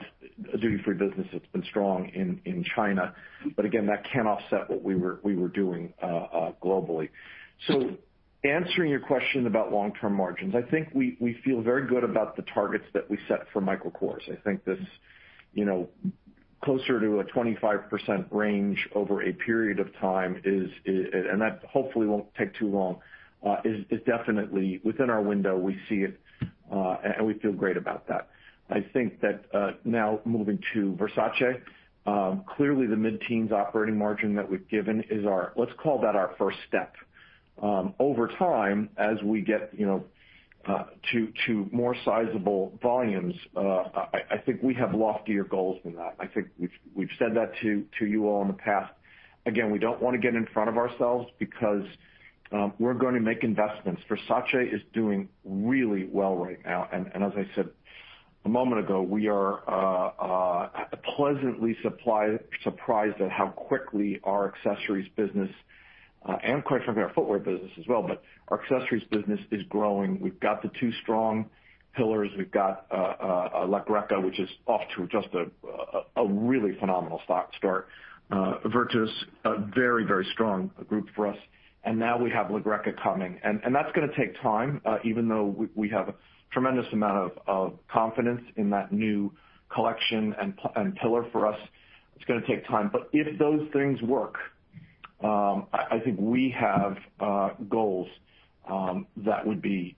the duty-free business has been strong in China. Again, that can't offset what we were doing globally. Answering your question about long-term margins, I think we feel very good about the targets that we set for Michael Kors. I think this closer to a 25% range over a period of time, and that hopefully won't take too long, is definitely within our window. We see it, and we feel great about that. I think that now moving to Versace, clearly the mid-10s operating margin that we've given is our, let's call that our first step. Over time, as we get to more sizable volumes, I think we have loftier goals than that. I think we've said that to you all in the past. Again, we don't want to get in front of ourselves because we're going to make investments. Versace is doing really well right now. As I said a moment ago, we are pleasantly surprised at how quickly our accessories business, and quite frankly, our footwear business as well, but our accessories business is growing. We've got the two strong pillars. We've got La Greca, which is off to just a really phenomenal start. Virtus, a very, very strong group for us. Now we have La Greca coming. That's going to take time, even though we have a tremendous amount of confidence in that new collection and pillar for us, it's going to take time. If those things work, I think we have goals that would be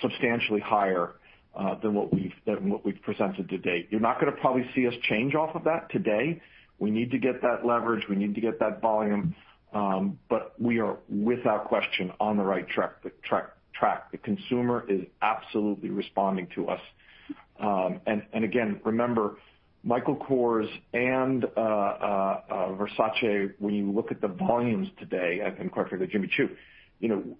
substantially higher than what we've presented to date. You're not going to probably see us change off of that today. We need to get that leverage. We need to get that volume. We are, without question, on the right track. The consumer is absolutely responding to us. Again, remember Michael Kors and Versace, when you look at the volumes today, and quite frankly, Jimmy Choo,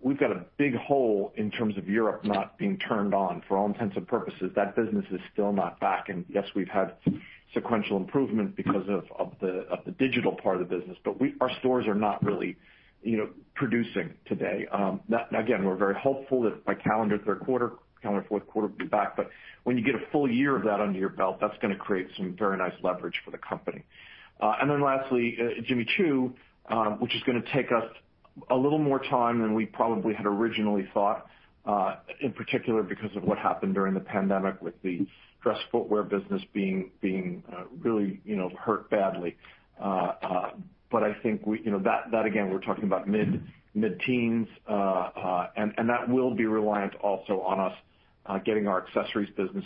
we've got a big hole in terms of Europe not being turned on. For all intents and purposes, that business is still not back. Yes, we've had sequential improvement because of the digital part of the business, but our stores are not really producing today. Now again, we're very hopeful that by calendar third quarter, calendar fourth quarter, we'll be back. When you get a full year of that under your belt, that's going to create some very nice leverage for the company. Lastly, Jimmy Choo, which is going to take us a little more time than we probably had originally thought, in particular because of what happened during the pandemic with the dress footwear business being really hurt badly. I think that again, we're talking about mid-10s, and that will be reliant also on us getting our accessories business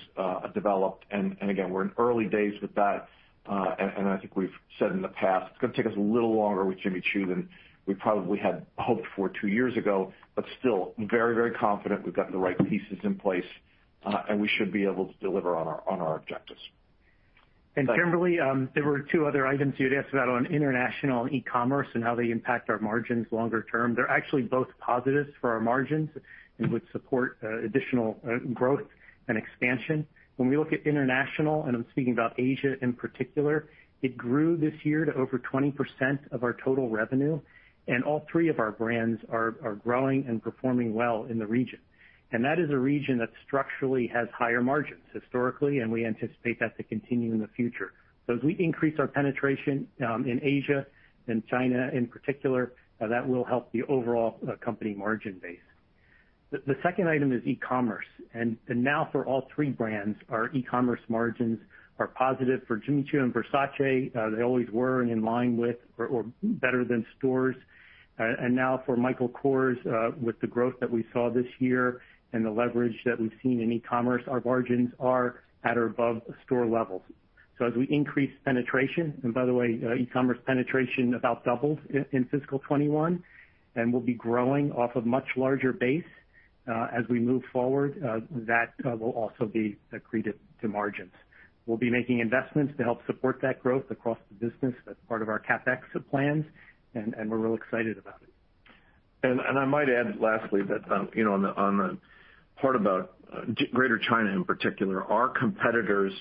developed. Again, we're in early days with that. I think we've said in the past, it's going to take us a little longer with Jimmy Choo than we probably had hoped for two years ago. Still very confident we've got the right pieces in place, and we should be able to deliver on our objectives. Kimberly, there were two other items you had asked about on international and e-commerce and how they impact our margins longer term. They're actually both positives for our margins and would support additional growth and expansion. When we look at international, and I'm speaking about Asia in particular, it grew this year to over 20% of our total revenue, and all three of our brands are growing and performing well in the region. That is a region that structurally has higher margins historically, and we anticipate that to continue in the future. As we increase our penetration in Asia and China in particular, that will help the overall company margin base. The second item is e-commerce. Now for all three brands, our e-commerce margins are positive. For Jimmy Choo and Versace, they always were and in line with or better than stores. Now for Michael Kors, with the growth that we saw this year and the leverage that we've seen in e-commerce, our margins are at or above store levels. As we increase penetration, and by the way, e-commerce penetration about doubles in fiscal 2021, and we'll be growing off a much larger base, as we move forward, that will also be accretive to margins. We'll be making investments to help support that growth across the business. That's part of our CapEx plans, and we're real excited about it. I might add lastly that on the part about Greater China in particular, our competitors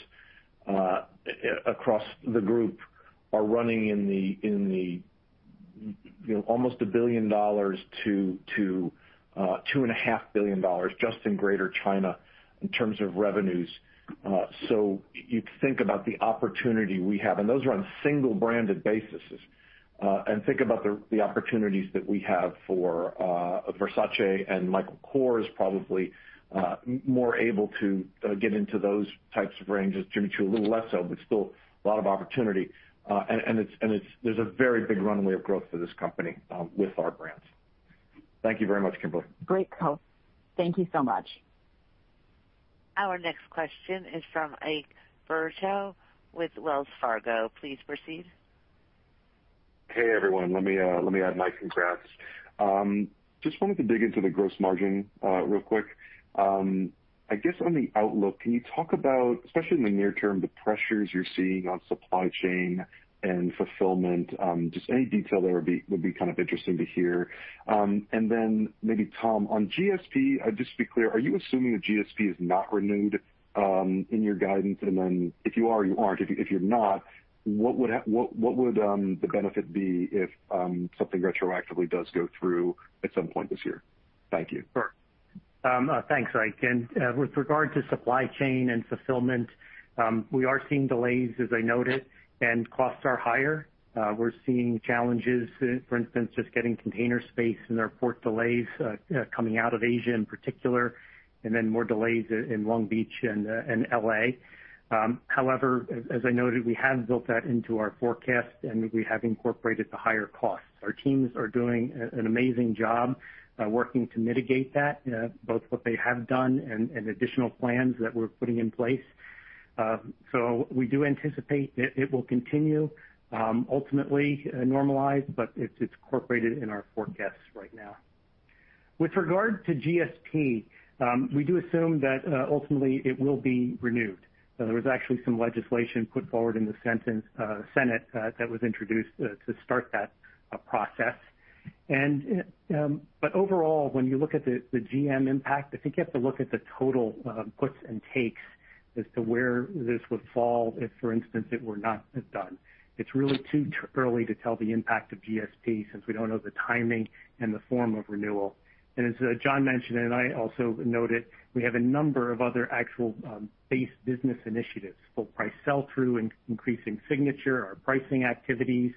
across the group are running in almost $1 billion-$2.5 billion just in Greater China in terms of revenues. You think about the opportunity we have, and those are on single-branded basis. Think about the opportunities that we have for Versace and Michael Kors, probably more able to get into those types of ranges. Jimmy Choo, a little less so, but still a lot of opportunity. There's a very big runway of growth for this company with our brands. Thank you very much, Kimberly. Great. Thank you so much. Our next question is from Irwin Boruchow with Wells Fargo. Please proceed. Hey, everyone. Let me add my congrats. Just wanted to dig into the gross margin real quick. I guess on the outlook, can you talk about, especially in the near term, the pressures you're seeing on supply chain and fulfillment? Just any detail there would be interesting to hear. Maybe Tom, on GSP, just to be clear, are you assuming that GSP is not renewed in your guidance? If you are, you aren't. If you're not, what would the benefit be if something retroactively does go through at some point this year? Thank you. Sure. Thanks, Ike. With regard to supply chain and fulfillment, we are seeing delays, as I noted, and costs are higher. We're seeing challenges, for instance, just getting container space and there are port delays coming out of Asia in particular, and then more delays in Long Beach and L.A. However, as I noted, we have built that into our forecast, and we have incorporated the higher costs. Our teams are doing an amazing job working to mitigate that, both what they have done and additional plans that we're putting in place. We do anticipate that it will continue, ultimately normalize, but it's incorporated in our forecasts right now. With regard to GSP, we do assume that ultimately it will be renewed. There was actually some legislation put forward in the Senate that was introduced to start that process. Overall, when you look at the GM impact, I think you have to look at the total puts and takes as to where this would fall if, for instance, it were not done. It's really too early to tell the impact of GSP since we don't know the timing and the form of renewal. As John mentioned, and I also noted, we have a number of other actual base business initiatives, full price sell-through, increasing signature, our pricing activities,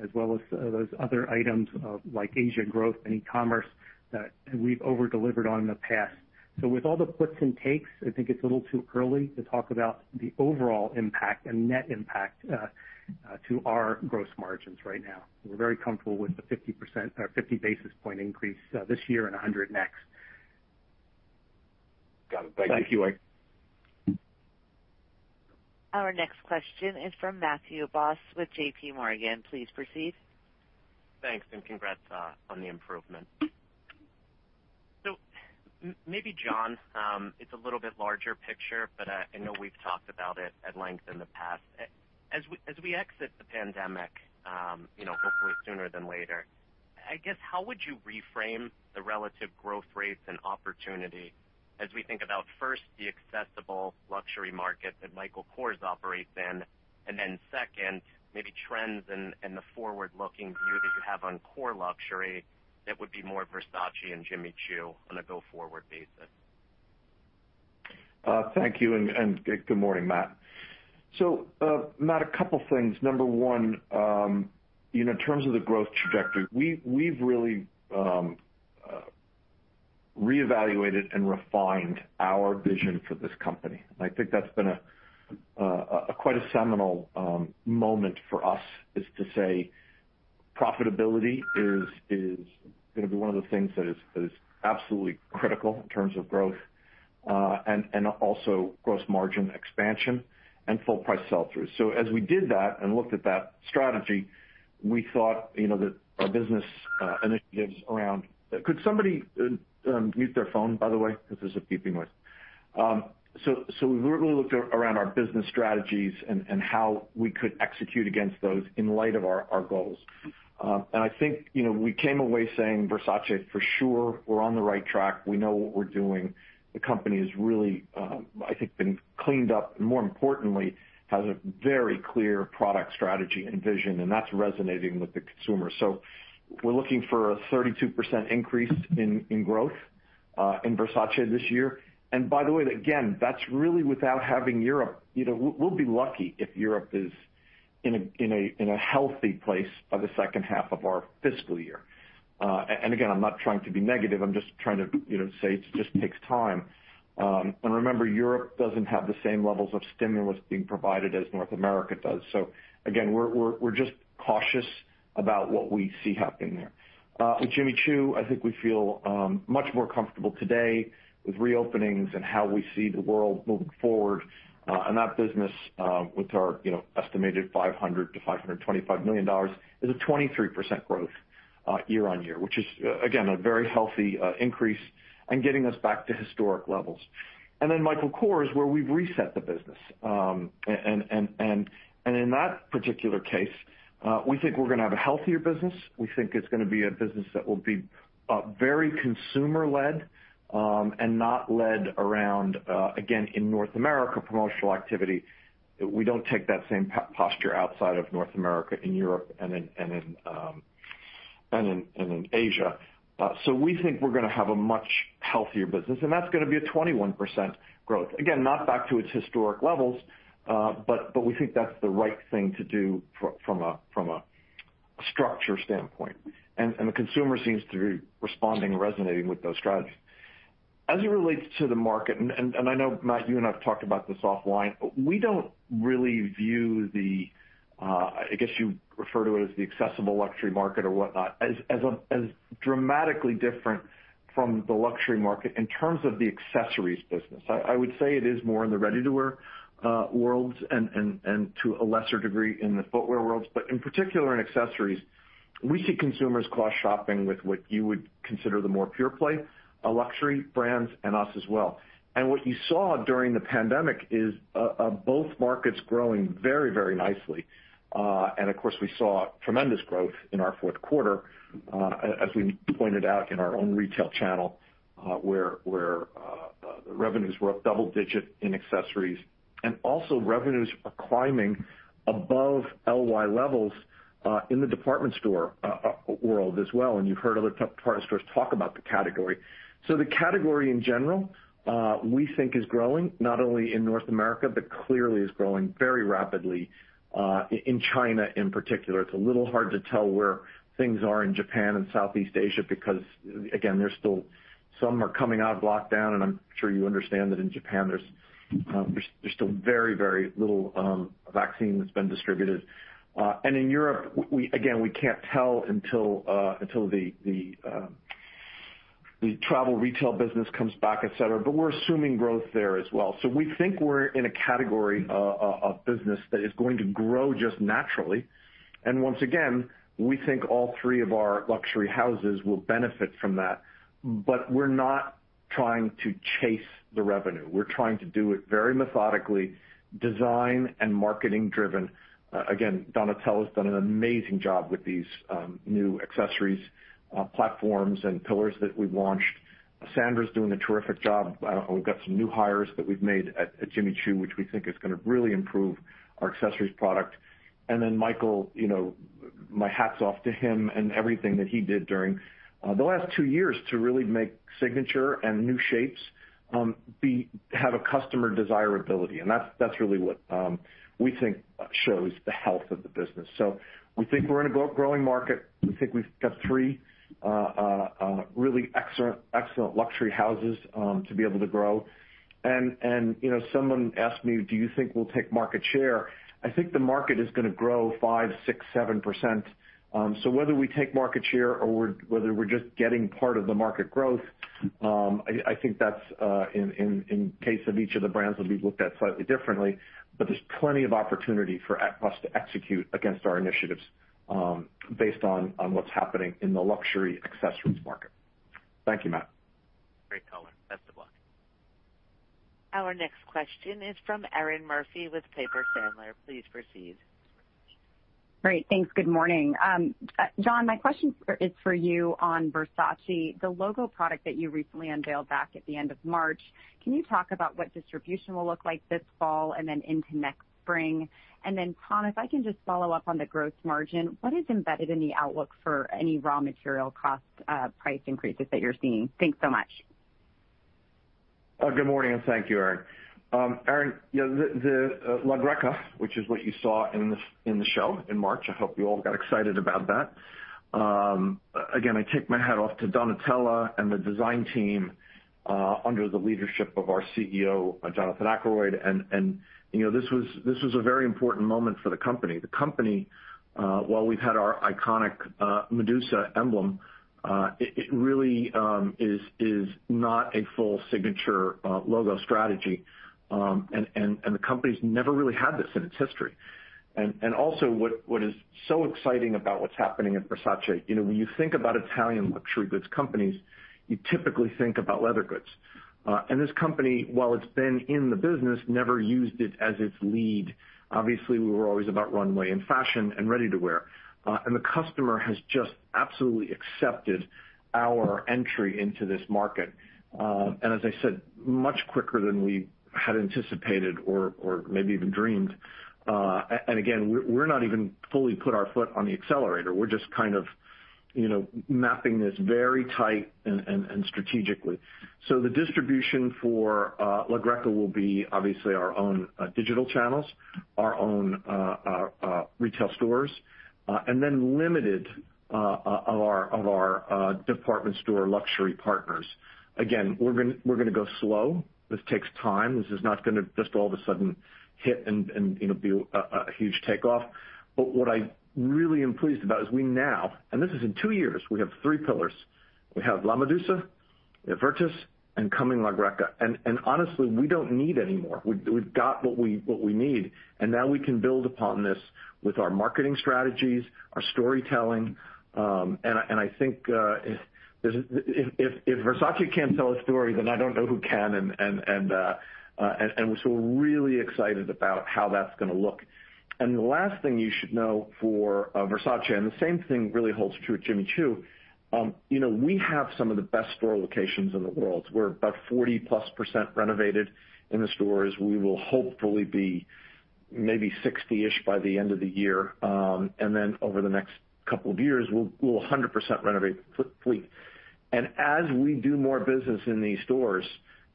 as well as those other items like Asia growth and e-commerce that we've over-delivered on in the past. With all the puts and takes, I think it's a little too early to talk about the overall impact and net impact to our gross margins right now. We're very comfortable with the 50 basis point increase this year and 100 next. Got it. Thank you, Ike. Our next question is from Matthew Boss with JPMorgan. Please proceed. Thanks. Congrats on the improvement. Maybe, John, it's a little bit larger picture, but I know we've talked about it at length in the past. As we exit the pandemic, hopefully sooner than later, I guess, how would you reframe the relative growth rates and opportunity as we think about, first, the accessible luxury market that Michael Kors operates in, and then second, maybe trends and the forward-looking view that you have on core luxury that would be more Versace and Jimmy Choo on a go-forward basis? Thank you. Good morning, Matt. Matt, a couple things. Number one, in terms of the growth trajectory, we've really reevaluated and refined our vision for this company. I think that's been quite a seminal moment for us, is to say profitability is going to be one of the things that is absolutely critical in terms of growth, and also gross margin expansion and full price sell-through. As we did that and looked at that strategy, we thought that our business initiatives around Could somebody mute their phone, by the way? Because there's a beeping noise. We really looked around our business strategies and how we could execute against those in light of our goals. I think, we came away saying, Versace, for sure, we're on the right track. We know what we're doing. The company has really, I think, been cleaned up, and more importantly, has a very clear product strategy and vision, and that's resonating with the consumer. We're looking for a 32% increase in growth in Versace this year. By the way, again, that's really without having Europe. We'll be lucky if Europe is in a healthy place by the second half of our fiscal year. Again, I'm not trying to be negative. I'm just trying to say it just takes time. Remember, Europe doesn't have the same levels of stimulus being provided as North America does. Again, we're just cautious about what we see happening there. With Jimmy Choo, I think we feel much more comfortable today with reopenings and how we see the world moving forward. That business, with our estimated $500 million-$525 million, is a 23% growth year-over-year, which is, again, a very healthy increase and getting us back to historic levels. Then Michael Kors, where we've reset the business. In that particular case, we think we're going to have a healthier business. We think it's going to be a business that will be very consumer-led, and not led around, again, in North America, promotional activity. We don't take that same posture outside of North America, in Europe and in Asia. We think we're going to have a much healthier business, and that's going to be a 21% growth. Again, not back to its historic levels, but we think that's the right thing to do from a structure standpoint. The consumer seems to be responding and resonating with those strategies. As it relates to the market, I know, Matt, you and I have talked about this offline. We don't really view the, I guess you refer to it as the accessible luxury market or whatnot, as dramatically different from the luxury market in terms of the accessories business. I would say it is more in the ready-to-wear worlds and to a lesser degree in the footwear worlds. In particular, in accessories, we see consumers cross-shopping with what you would consider the more pure play luxury brands and us as well. What you saw during the pandemic is both markets growing very nicely. Of course, we saw tremendous growth in our fourth quarter, as we pointed out in our own retail channel, where the revenues were up double digit in accessories. Also revenues are climbing above LY levels in the department store world as well. You've heard other department stores talk about the category. The category in general, we think is growing, not only in North America, but clearly is growing very rapidly in China in particular. It's a little hard to tell where things are in Japan and Southeast Asia, because again, some are coming out of lockdown, and I'm sure you understand that in Japan, there's still very little vaccine that's been distributed. In Europe, again, we can't tell until the travel retail business comes back, et cetera, but we're assuming growth there as well. We think we're in a category of business that is going to grow just naturally. Once again, we think all three of our luxury houses will benefit from that. We're not trying to chase the revenue. We're trying to do it very methodically, design and marketing driven. Donatella's done an amazing job with these new accessories platforms and pillars that we've launched. Sandra's doing a terrific job. We've got some new hires that we've made at Jimmy Choo, which we think is going to really improve our accessories product. Michael, my hat's off to him and everything that he did during the last two years to really make signature and new shapes have a customer desirability. That's really what we think shows the health of the business. We think we're in a growing market. We think we've got three really excellent luxury houses to be able to grow. Someone asked me, "Do you think we'll take market share?" I think the market is going to grow 5%, 6%, 7%. Whether we take market share or whether we're just getting part of the market growth, I think that in case of each of the brands will be looked at slightly differently. But there's plenty of opportunity for us to execute against our initiatives based on what's happening in the luxury accessories market. Thank you, Matt. Great color, Best of luck. Our next question is from Erinn Murphy with Piper Sandler. Please proceed. Great. Thanks. Good morning. John, my question is for you on Versace. The logo product that you recently unveiled back at the end of March, can you talk about what distribution will look like this fall and then into next spring? Then Tom, if I can just follow up on the gross margin, what is embedded in the outlook for any raw material cost price increases that you're seeing? Thanks so much. Good morning, thank you, Erinn. Erinn, La Greca, which is what you saw in the show in March, I hope you all got excited about that. I take my hat off to Donatella and the design team under the leadership of our CEO, Jonathan Akeroyd. This was a very important moment for the company. The company, while we've had our iconic Medusa emblem, it really is not a full signature logo strategy. The company's never really had this in its history. Also what is so exciting about what's happening at Versace, when you think about Italian luxury goods companies, you typically think about leather goods. This company, while it's been in the business, never used it as its lead. Obviously, we were always about runway and fashion and ready-to-wear. The customer has just absolutely accepted our entry into this market. As I said, much quicker than we had anticipated or maybe even dreamed. Again, we're not even fully put our foot on the accelerator. We're just mapping this very tight and strategically. The distribution for La Greca will be obviously our own digital channels, our own retail stores, and then limited of our department store luxury partners. Again, we're going to go slow. This takes time. This is not going to just all of a sudden hit and be a huge takeoff. What I really am pleased about is we now, and this is in two years, we have three pillars. We have La Medusa, Virtus, and coming La Greca. Honestly, we don't need anymore. We've got what we need, and now we can build upon this with our marketing strategies, our storytelling. I think if Versace can't tell a story, then I don't know who can. We're really excited about how that's going to look. The last thing you should know for Versace, and the same thing really holds true at Jimmy Choo, we have some of the best store locations in the world. We're about 40+% renovated in the stores. We will hopefully be maybe 60-ish by the end of the year. Then over the next couple of years, we'll 100% renovate fleet. As we do more business in these stores,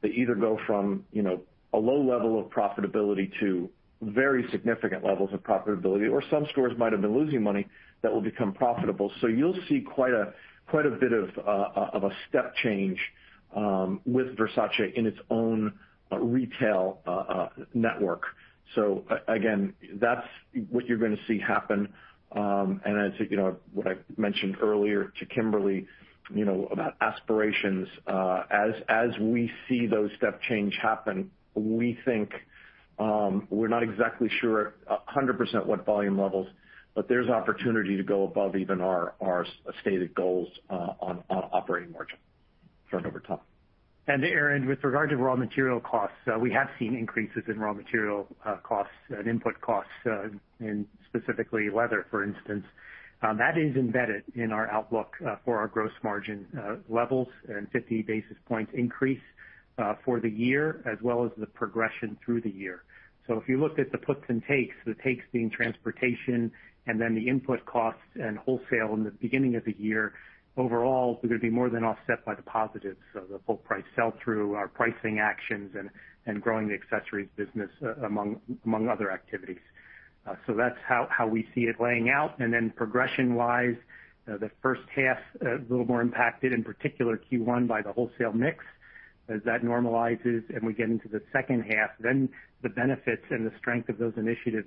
they either go from a low level of profitability to very significant levels of profitability, or some stores might have been losing money that will become profitable. You'll see quite a bit of a step change with Versace in its own retail network. Again, that's what you're going to see happen. I think what I mentioned earlier to Kimberly about aspirations, as we see those step change happen, we think we're not exactly sure 100% what volume levels, but there's opportunity to go above even our stated goals on operating margin going over time. Erinn, with regard to raw material costs, we have seen increases in raw material costs and input costs in specifically leather, for instance. That is embedded in our outlook for our gross margin levels and 50 basis points increase for the year as well as the progression through the year. If you look at the puts and takes, the takes being transportation and then the input costs and wholesale in the beginning of the year, overall, they're going to be more than offset by the positives, the full price sell-through, our pricing actions and growing the accessories business among other activities. That's how we see it laying out. Progression-wise, the first half, a little more impacted, in particular Q1 by the wholesale mix. As that normalizes and we get into the second half, then the benefits and the strength of those initiatives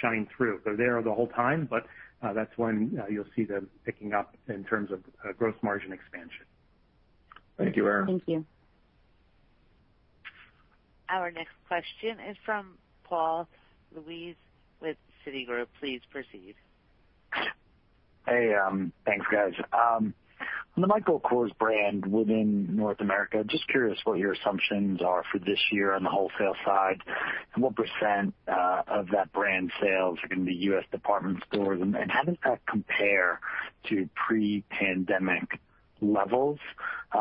shine through. They're there the whole time, but that's when you'll see them picking up in terms of gross margin expansion. Thank you, Erinn. Thank you. Our next question is from Paul Lejuez with Citigroup. Please proceed. Hey, thanks, guys. The Michael Kors brand within North America, just curious what your assumptions are for this year on the wholesale side and what percent of that brand sales are going to be U.S. department stores, and how does that compare to pre-pandemic levels?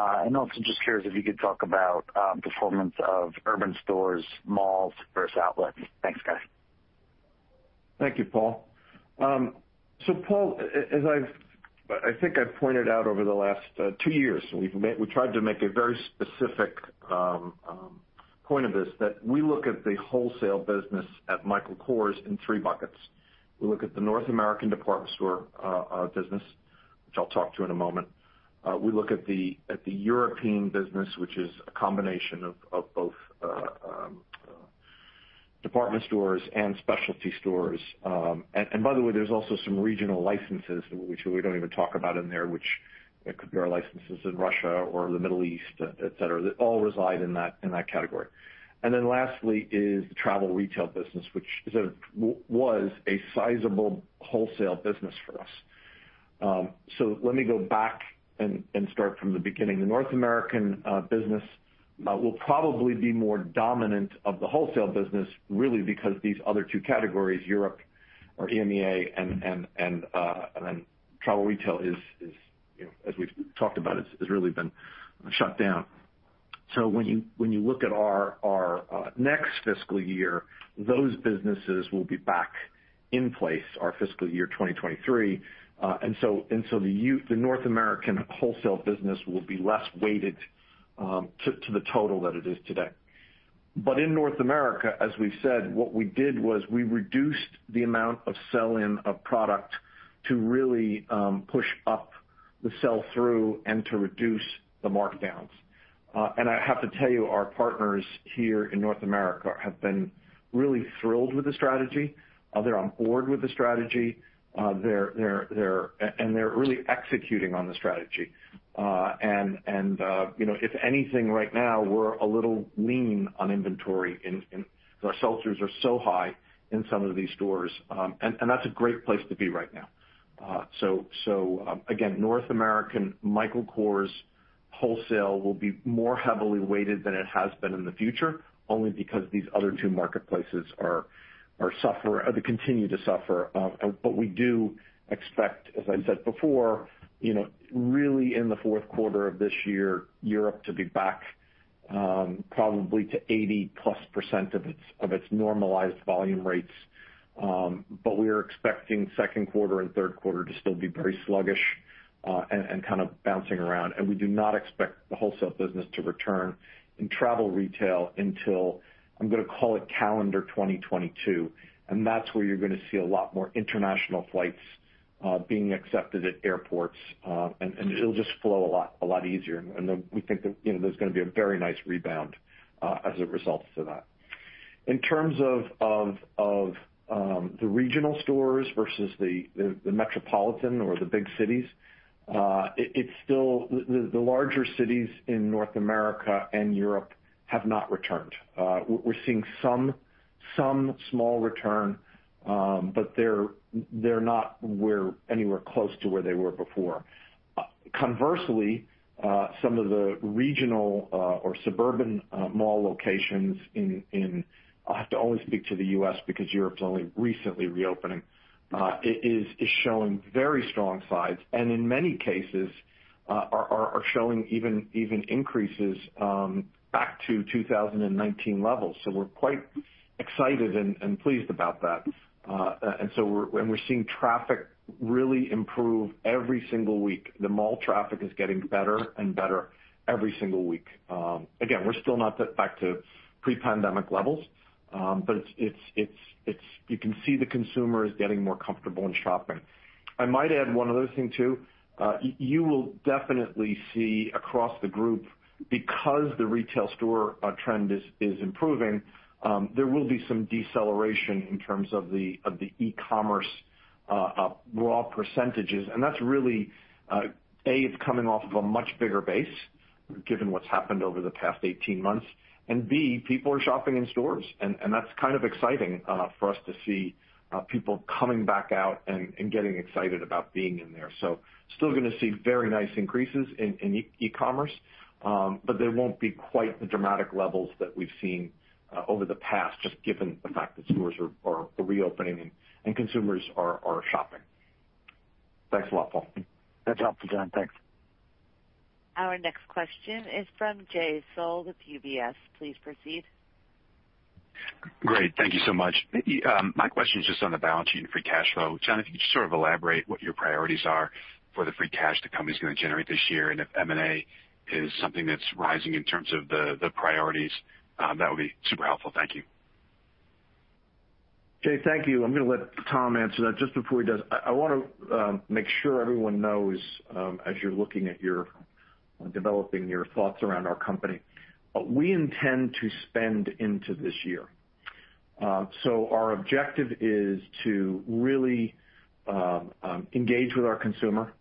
Also just curious if you could talk about performance of urban stores, malls versus outlets. Thanks, guys. Thank you, Paul. Paul, I think I pointed out over the last two years, we tried to make a very specific point of this, that we look at the wholesale business at Michael Kors in three buckets. We look at the North American department store business, which I'll talk to in a moment. We look at the European business, which is a combination of both department stores and specialty stores. By the way, there's also some regional licenses which we don't even talk about in there, which could be our licenses in Russia or the Middle East, et cetera. They all reside in that category. Lastly is travel retail business, which was a sizable wholesale business for us. Let me go back and start from the beginning. North American business will probably be more dominant of the wholesale business, really because these other two categories, Europe or EMEA and then travel retail, as we've talked about, has really been shut down. When you look at our next fiscal year, those businesses will be back in place our fiscal year 2023. The North American wholesale business will be less weighted to the total that it is today. In North America, as we said, what we did was we reduced the amount of sell-in of product to really push up the sell-through and to reduce the markdowns. I have to tell you, our partners here in North America have been really thrilled with the strategy. They're on board with the strategy. They're really executing on the strategy. If anything, right now we're a little lean on inventory, and our sell-throughs are so high in some of these stores, and that's a great place to be right now. Again, North American Michael Kors wholesale will be more heavily weighted than it has been in the future, only because these other two marketplaces continue to suffer. We do expect, as I said before, really in the fourth quarter of this year, Europe to be back probably to 80+% of its normalized volume rates. We are expecting second quarter and third quarter to still be very sluggish and kind of bouncing around. We do not expect the wholesale business to return in travel retail until, I'm going to call it calendar 2022. That's where you're going to see a lot more international flights being accepted at airports, and it'll just flow a lot easier. We think there's going to be a very nice rebound as a result of that. In terms of the regional stores versus the metropolitan or the big cities, the larger cities in North America and Europe have not returned. We're seeing some small return, but they're not anywhere close to where they were before. Conversely, some of the regional or suburban mall locations I have to only speak to the U.S. because Europe's only recently reopening is showing very strong signs and in many cases are showing even increases back to 2019 levels. We're quite excited and pleased about that. We're seeing traffic really improve every single week. The mall traffic is getting better and better every single week. Again, we're still not back to pre-pandemic levels. You can see the consumer is getting more comfortable in shopping. I might add one other thing too. You will definitely see across the group, because the retail store trend is improving, there will be some deceleration in terms of the e-commerce raw percentages. That's really, A, it's coming off of a much bigger base given what's happened over the past 18 months, and B, people are shopping in stores, and that's kind of exciting for us to see people coming back out and getting excited about being in there. Still going to see very nice increases in e-commerce. They won't be quite the dramatic levels that we've seen over the past, just given the fact that stores are reopening and consumers are shopping. That's helpful, John. Thanks. Our next question is from Jay Sole with UBS. Please proceed. Great. Thank you so much. My question is just on the balance sheet free cash flow. John, if you could just elaborate what your priorities are for the free cash the company's going to generate this year. If M&A is something that's rising in terms of the priorities, that would be super helpful. Thank you. Jay, thank you. Let me let Tom answer that. Just before he does, I want to make sure everyone knows, as you're looking at developing your thoughts around our company, we intend to spend into this year. Our objective is to really engage with our consumer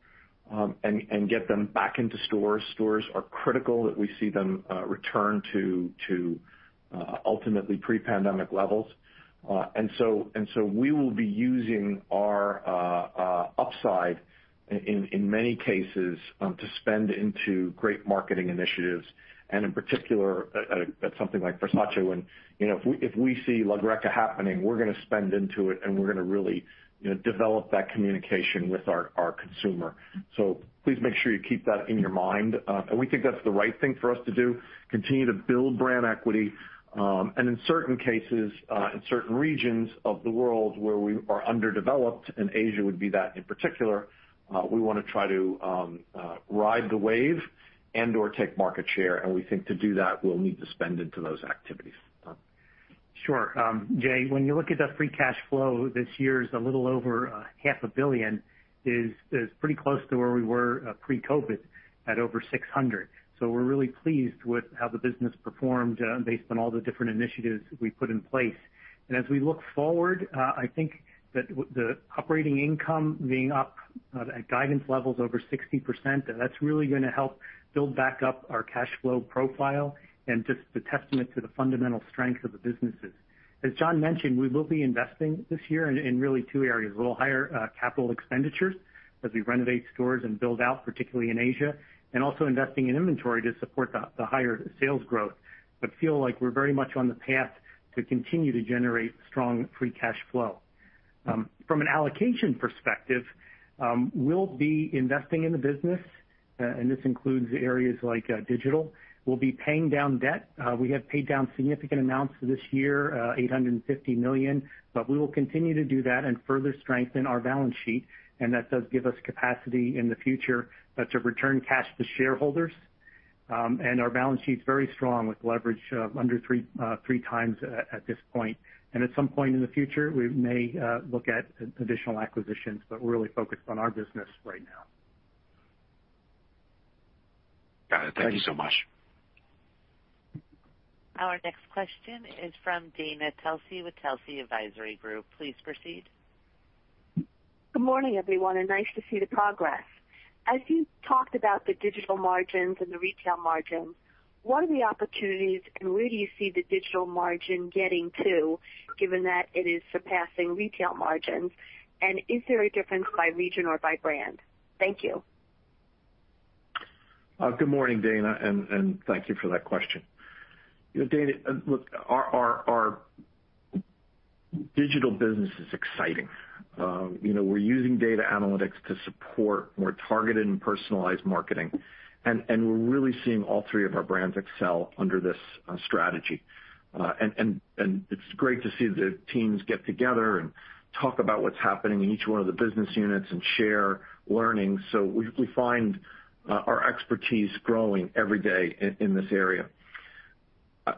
and get them back into stores. Stores are critical that we see them return to ultimately pre-pandemic levels. We will be using our upside in many cases to spend into great marketing initiatives and in particular something like Versace when if we see La Greca happening, we're going to spend into it and we're going to really develop that communication with our consumer. Please make sure you keep that in your mind. We think that's the right thing for us to do, continue to build brand equity, and in certain cases, in certain regions of the world where we are underdeveloped, and Asia would be that in particular, we want to try to ride the wave and/or take market share. We think to do that, we'll need to spend into those activities. Sure. Jay, when you look at the free cash flow, this year is a little over half a billion. It's pretty close to where we were pre-COVID at over $600. We're really pleased with how the business performed based on all the different initiatives that we put in place. As we look forward, I think that the operating income being up at guidance levels over 60%, that's really going to help build back up our cash flow profile and just a testament to the fundamental strength of the businesses. As John mentioned, we will be investing this year in really two areas. We'll higher capital expenditures as we renovate stores and build out, particularly in Asia, and also investing in inventory to support the higher sales growth. Feel like we're very much on the path to continue to generate strong free cash flow. From an allocation perspective, we'll be investing in the business, and this includes areas like digital. We'll be paying down debt. We have paid down significant amounts this year, $850 million, but we will continue to do that and further strengthen our balance sheet, and that does give us capacity in the future to return cash to shareholders. And our balance sheet is very strong with leverage of under 3x at this point. At some point in the future, we may look at additional acquisitions, but we're really focused on our business right now. Got it. Thank you so much. Our next question is from Dana Telsey with Telsey Advisory Group. Please proceed. Good morning, everyone. Nice to see the progress. As you talk about the digital margins and the retail margins, what are the opportunities, and where do you see the digital margin getting to, given that it is surpassing retail margins? Is there a difference by region or by brand? Thank you. Good morning, Dana. Thank you for that question. Dana, look, our digital business is exciting. We're using data analytics to support more targeted and personalized marketing, and we're really seeing all three of our brands excel under this strategy. It's great to see the teams get together and talk about what's happening in each one of the business units and share learnings. We find our expertise growing every day in this area.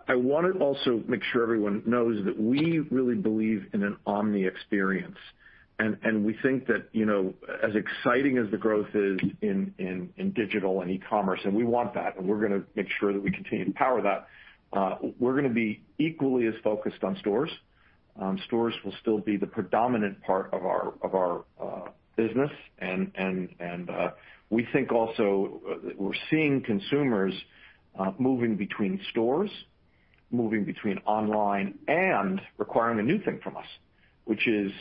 I want to also make sure everyone knows that we really believe in an omni experience, and we think that as exciting as the growth is in digital and e-commerce, and we want that, and we're going to make sure that we continue to power that, we're going to be equally as focused on stores. Stores will still be the predominant part of our business. We think also that we're seeing consumers moving between stores, moving between online, and requiring a new thing from us, which is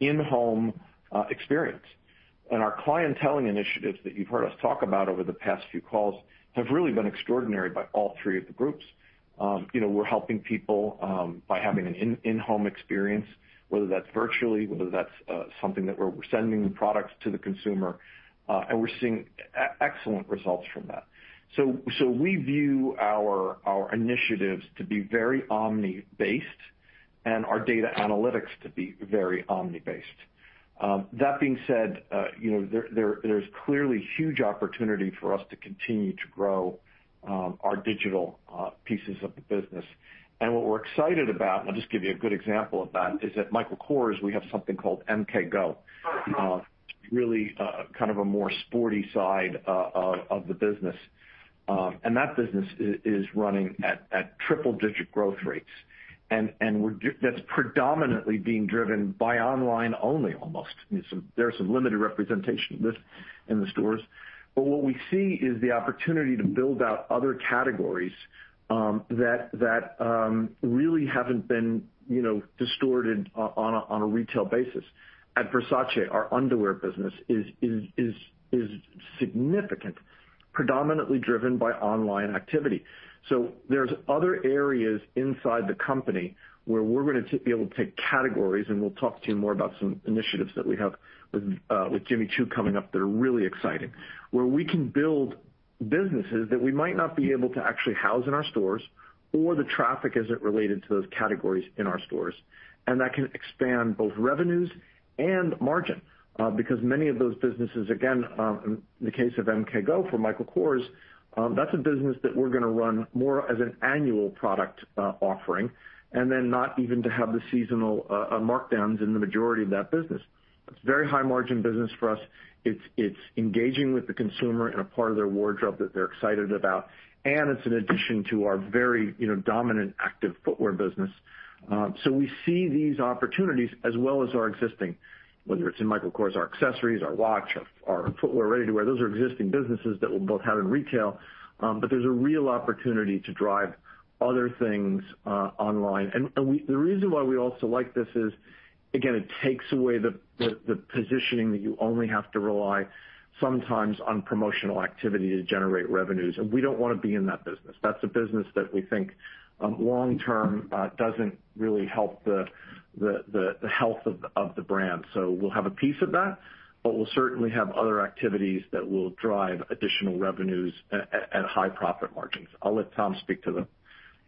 in-home experience. Our clienteling initiatives that you've heard us talk about over the past few calls have really been extraordinary by all three of the groups. We're helping people by having an in-home experience, whether that's virtually, whether that's something that we're sending the products to the consumer, and we're seeing excellent results from that. We view our initiatives to be very omni-based and our data analytics to be very omni-based. That being said, there's clearly huge opportunity for us to continue to grow our digital pieces of the business. What we're excited about, I'll just give you a good example of that, is at Michael Kors, we have something called MKGO, really a more sporty side of the business. That business is running at triple-digit growth rates, and that's predominantly being driven by online only almost. There's a limited representation of this in the stores. What we see is the opportunity to build out other categories that really haven't been distorted on a retail basis. At Versace, our underwear business is significant, predominantly driven by online activity. There's other areas inside the company where we're going to be able to take categories, and we'll talk to you more about some initiatives that we have with Jimmy Choo coming up that are really exciting, where we can build businesses that we might not be able to actually house in our stores, or the traffic isn't related to those categories in our stores. That can expand both revenues and margin. Because many of those businesses, again, in the case of MKGO for Michael Kors, that's a business that we're going to run more as an annual product offering, and then not even to have the seasonal markdowns in the majority of that business. It's a very high-margin business for us. It's engaging with the consumer in a part of their wardrobe that they're excited about, and it's an addition to our very dominant active footwear business. We see these opportunities as well as our existing, whether it's in Michael Kors, our accessories, our watch, our footwear, ready-to-wear. Those are existing businesses that we'll both have in retail. There's a real opportunity to drive other things online. The reason why we also like this is, again, it takes away the positioning that you only have to rely sometimes on promotional activity to generate revenues, and we don't want to be in that business. That's a business that we think long term doesn't really help the health of the brand. We'll have a piece of that, but we'll certainly have other activities that will drive additional revenues at high profit margins. I'll let Tom speak to the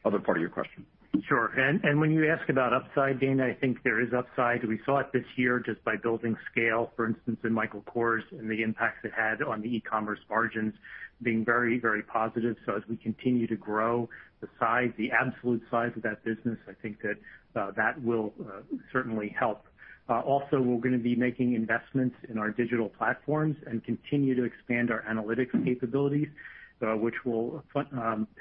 other part of your question. Sure. When you ask about upside, Dana, I think there is upside. We saw it this year just by building scale, for instance, in Michael Kors and the impact it had on e-commerce margins being very, very positive. As we continue to grow the absolute size of that business, I think that will certainly help. Also, we're going to be making investments in our digital platforms and continue to expand our analytics capabilities, which will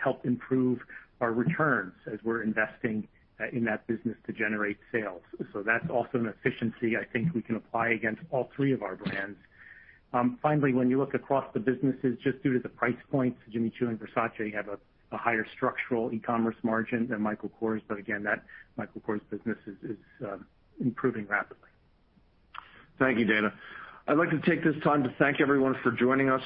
help improve our returns as we're investing in that business to generate sales. That's also an efficiency I think we can apply against all three of our brands. Finally, when you look across the businesses, just due to the price points of Jimmy Choo and Versace, they have a higher structural e-commerce margin than Michael Kors, but again, that Michael Kors business is improving rapidly. Thank you, Dana. I'd like to take this time to thank everyone for joining us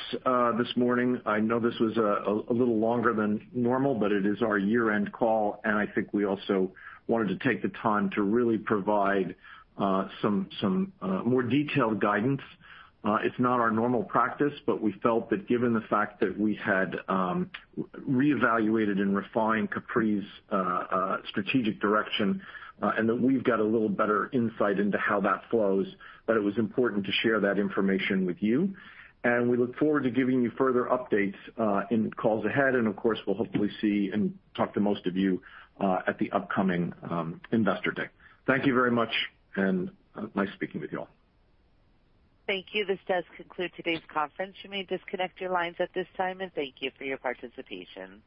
this morning. I know this was a little longer than normal, but it is our year-end call, and I think we also wanted to take the time to really provide some more detailed guidance. It's not our normal practice, but we felt that given the fact that we had reevaluated and refined Capri's strategic direction, and that we've got a little better insight into how that flows, that it was important to share that information with you. We look forward to giving you further updates in the calls ahead. Of course, we'll hopefully see and talk to most of you at the upcoming Investor Day. Thank you very much, and nice speaking with you all. Thank you. This does conclude today's conference. You may disconnect your lines at this time, and thank you for your participation.